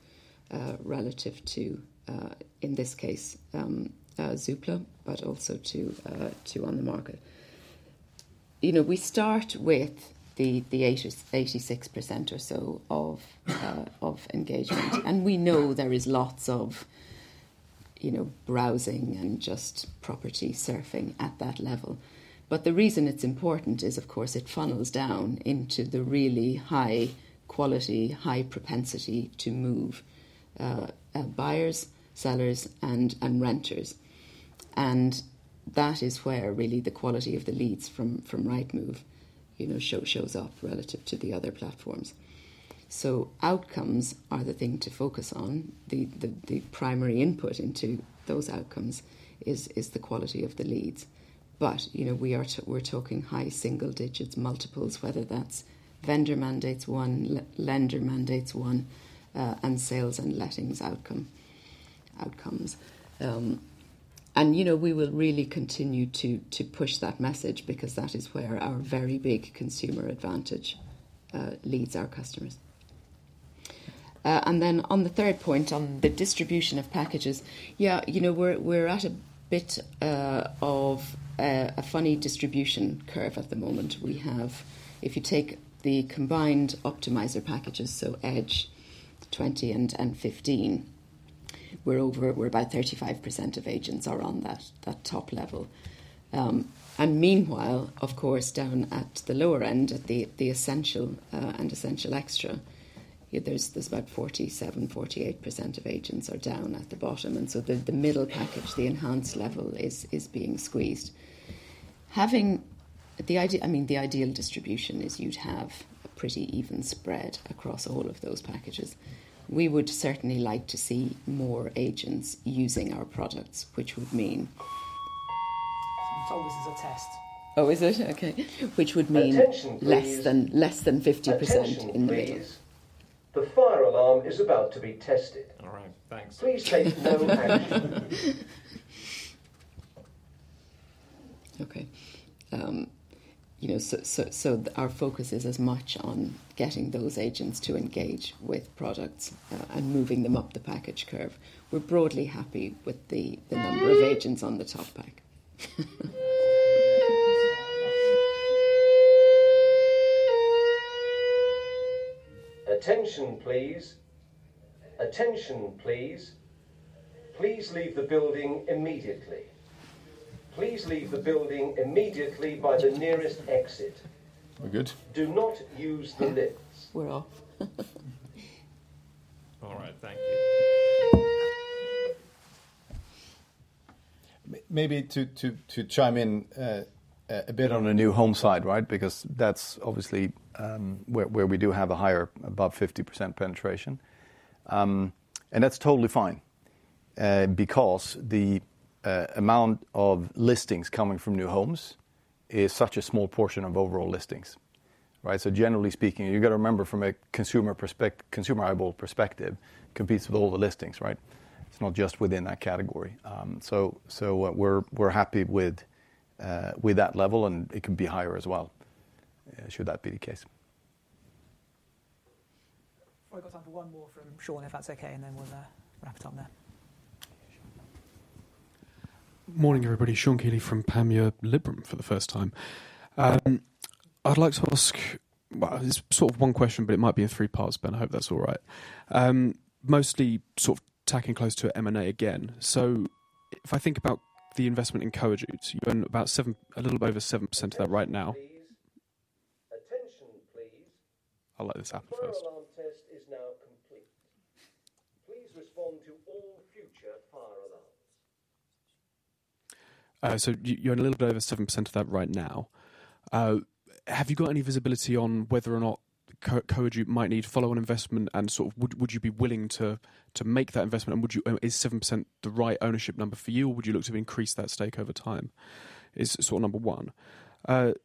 S2: relative to, in this case, Zoopla, but also to OnTheMarket. You know, we start with the 86% or so of engagement. And we know there is lots of, you know, browsing and just property surfing at that level. But the reason it's important is, of course, it funnels down into the really high quality, high propensity to move, buyers, sellers, and renters. And that is where really the quality of the leads from Rightmove, you know, shows up relative to the other platforms. So outcomes are the thing to focus on. The primary input into those outcomes is the quality of the leads. But, you know, we're talking high single digits, multiples, whether that's vendor mandates won, lender mandates won, and sales and lettings outcomes. And, you know, we will really continue to push that message because that is where our very big consumer advantage leads our customers. And then on the third point, on the distribution of packages, yeah, you know, we're at a bit of a funny distribution curve at the moment. We have... If you take the combined Optimizer packages, so Edge 20 and 15, we're about 35% of agents are on that top level. And meanwhile, of course, down at the lower end, at the Essential and Essential Extra, there's about 47%-48% of agents are down at the bottom. And so the middle package, the enhanced level, is being squeezed. Having the idea - I mean, the ideal distribution is you'd have a pretty even spread across all of those packages. We would certainly like to see more agents using our products, which would mean-
S11: I'm told this is a test.
S2: Oh, is it? Okay. Which would mean-
S12: Attention, please.
S2: Less than 50% engaged.
S12: Attention, please. The fire alarm is about to be tested.
S1: All right, thanks.
S12: Please take no action.
S2: Okay, you know, so our focus is as much on getting those agents to engage with products and moving them up the package curve. We're broadly happy with the number of agents on the top pack.
S12: Attention, please. Attention, please. Please leave the building immediately. Please leave the building immediately by the nearest exit.
S1: We're good?
S12: Do not use the lifts.
S2: We're off.
S1: All right, thank you. Maybe to chime in a bit on the New Homes side, right? Because that's obviously where we do have a higher, above 50% penetration. And that's totally fine, because the amount of listings coming from New Homes is such a small portion of overall listings, right? So generally speaking, you've got to remember from a consumer perspective, consumer eyeball perspective, competes with all the listings, right? It's not just within that category. So what we're happy with that level, and it can be higher as well, should that be the case.
S3: We've got time for one more from Sean, if that's okay, and then we'll wrap it up there.
S13: Morning, everybody. Sean Kealy from Panmure Liberum for the first time. I'd like to ask, well, it's sort of one question, but it might be a three-part, but I hope that's all right. Mostly sort of tacking close to M&A again. So if I think about the investment in Coadjute, you've earned about 7-- a little over 7% of that right now.
S12: Attention, please.
S13: I'll let this happen first.
S12: The fire alarm test is now complete. Please respond to all future fire alarms.
S13: So you're a little bit over 7% of that right now. Have you got any visibility on whether or not Coadjute might need follow-on investment, and sort of, would you be willing to make that investment, and would you? Is 7% the right ownership number for you, or would you look to increase that stake over time? That's sort of number one.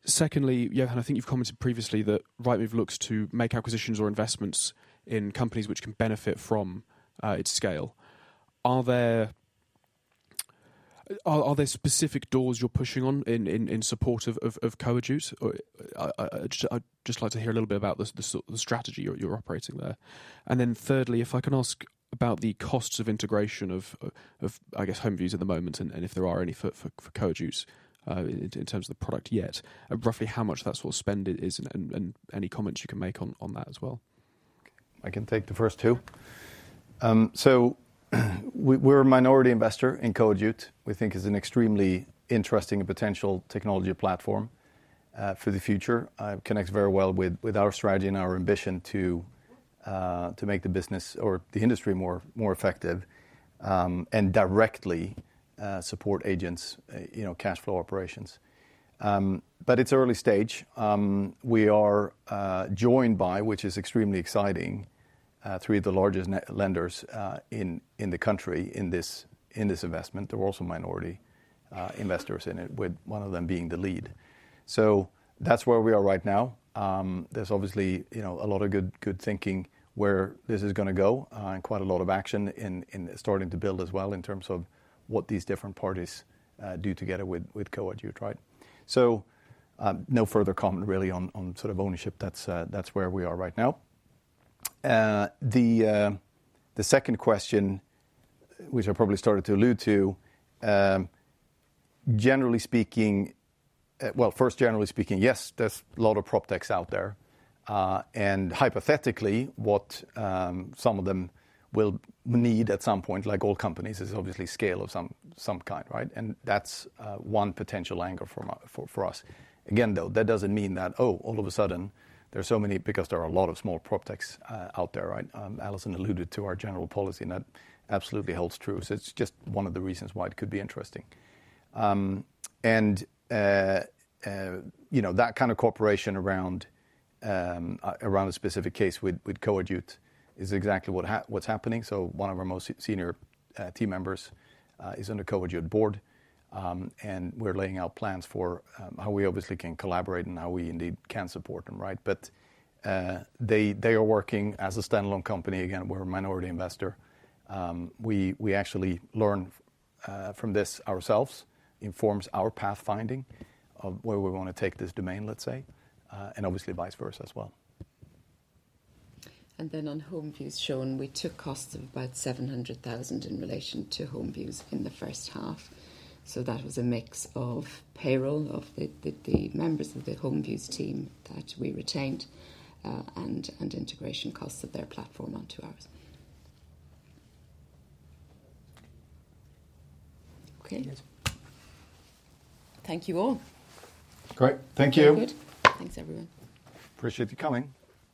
S13: Secondly, Johan, I think you've commented previously that Rightmove looks to make acquisitions or investments in companies which can benefit from its scale. Are there specific doors you're pushing on in support of Coadjute? Or I'd just like to hear a little bit about the strategy you're operating there. And then thirdly, if I can ask about the costs of integration of, I guess, HomeViews at the moment, and if there are any for Coadjute in terms of the product yet, and roughly how much that sort of spend is, and any comments you can make on that as well?
S1: I can take the first two. So we, we're a minority investor in Coadjute. We think it's an extremely interesting and potential technology platform for the future. It connects very well with, with our strategy and our ambition to, to make the business or the industry more, more effective, and directly support agents', you know, cash flow operations. But it's early stage. We are joined by, which is extremely exciting, three of the largest net lenders in, in the country, in this, in this investment. They're also minority investors in it, with one of them being the lead. So that's where we are right now. There's obviously, you know, a lot of good, good thinking where this is gonna go, and quite a lot of action in, in starting to build as well, in terms of what these different parties do together with Coadjute, right? So, no further comment really on, on sort of ownership. That's, that's where we are right now. The, the second question, which I probably started to allude to, generally speaking. Well, first, generally speaking, yes, there's a lot of proptechs out there. And hypothetically, what some of them will need at some point, like all companies, is obviously scale of some, some kind, right? And that's one potential angle for my- for, for us. Again, though, that doesn't mean that, oh, all of a sudden there are so many, because there are a lot of small proptechs out there, right? Alison alluded to our general policy, and that absolutely holds true. So it's just one of the reasons why it could be interesting. You know, that kind of cooperation around a specific case with Coadjute is exactly what's happening. So one of our most senior team members is on the Coadjute board. And we're laying out plans for how we obviously can collaborate and how we indeed can support them, right? But they are working as a standalone company. Again, we're a minority investor. We actually learn from this ourselves, informs our pathfinding of where we want to take this domain, let's say, and obviously vice versa as well.
S2: And then on HomeViews, Sean, we took costs of about 700,000 in relation to HomeViews in the first half. So that was a mix of payroll of the members of the HomeViews team that we retained, and integration costs of their platform onto ours.
S13: Yes. Thank you, all.
S1: Great. Thank you.
S2: Very good. Thanks, everyone.
S1: Appreciate you coming.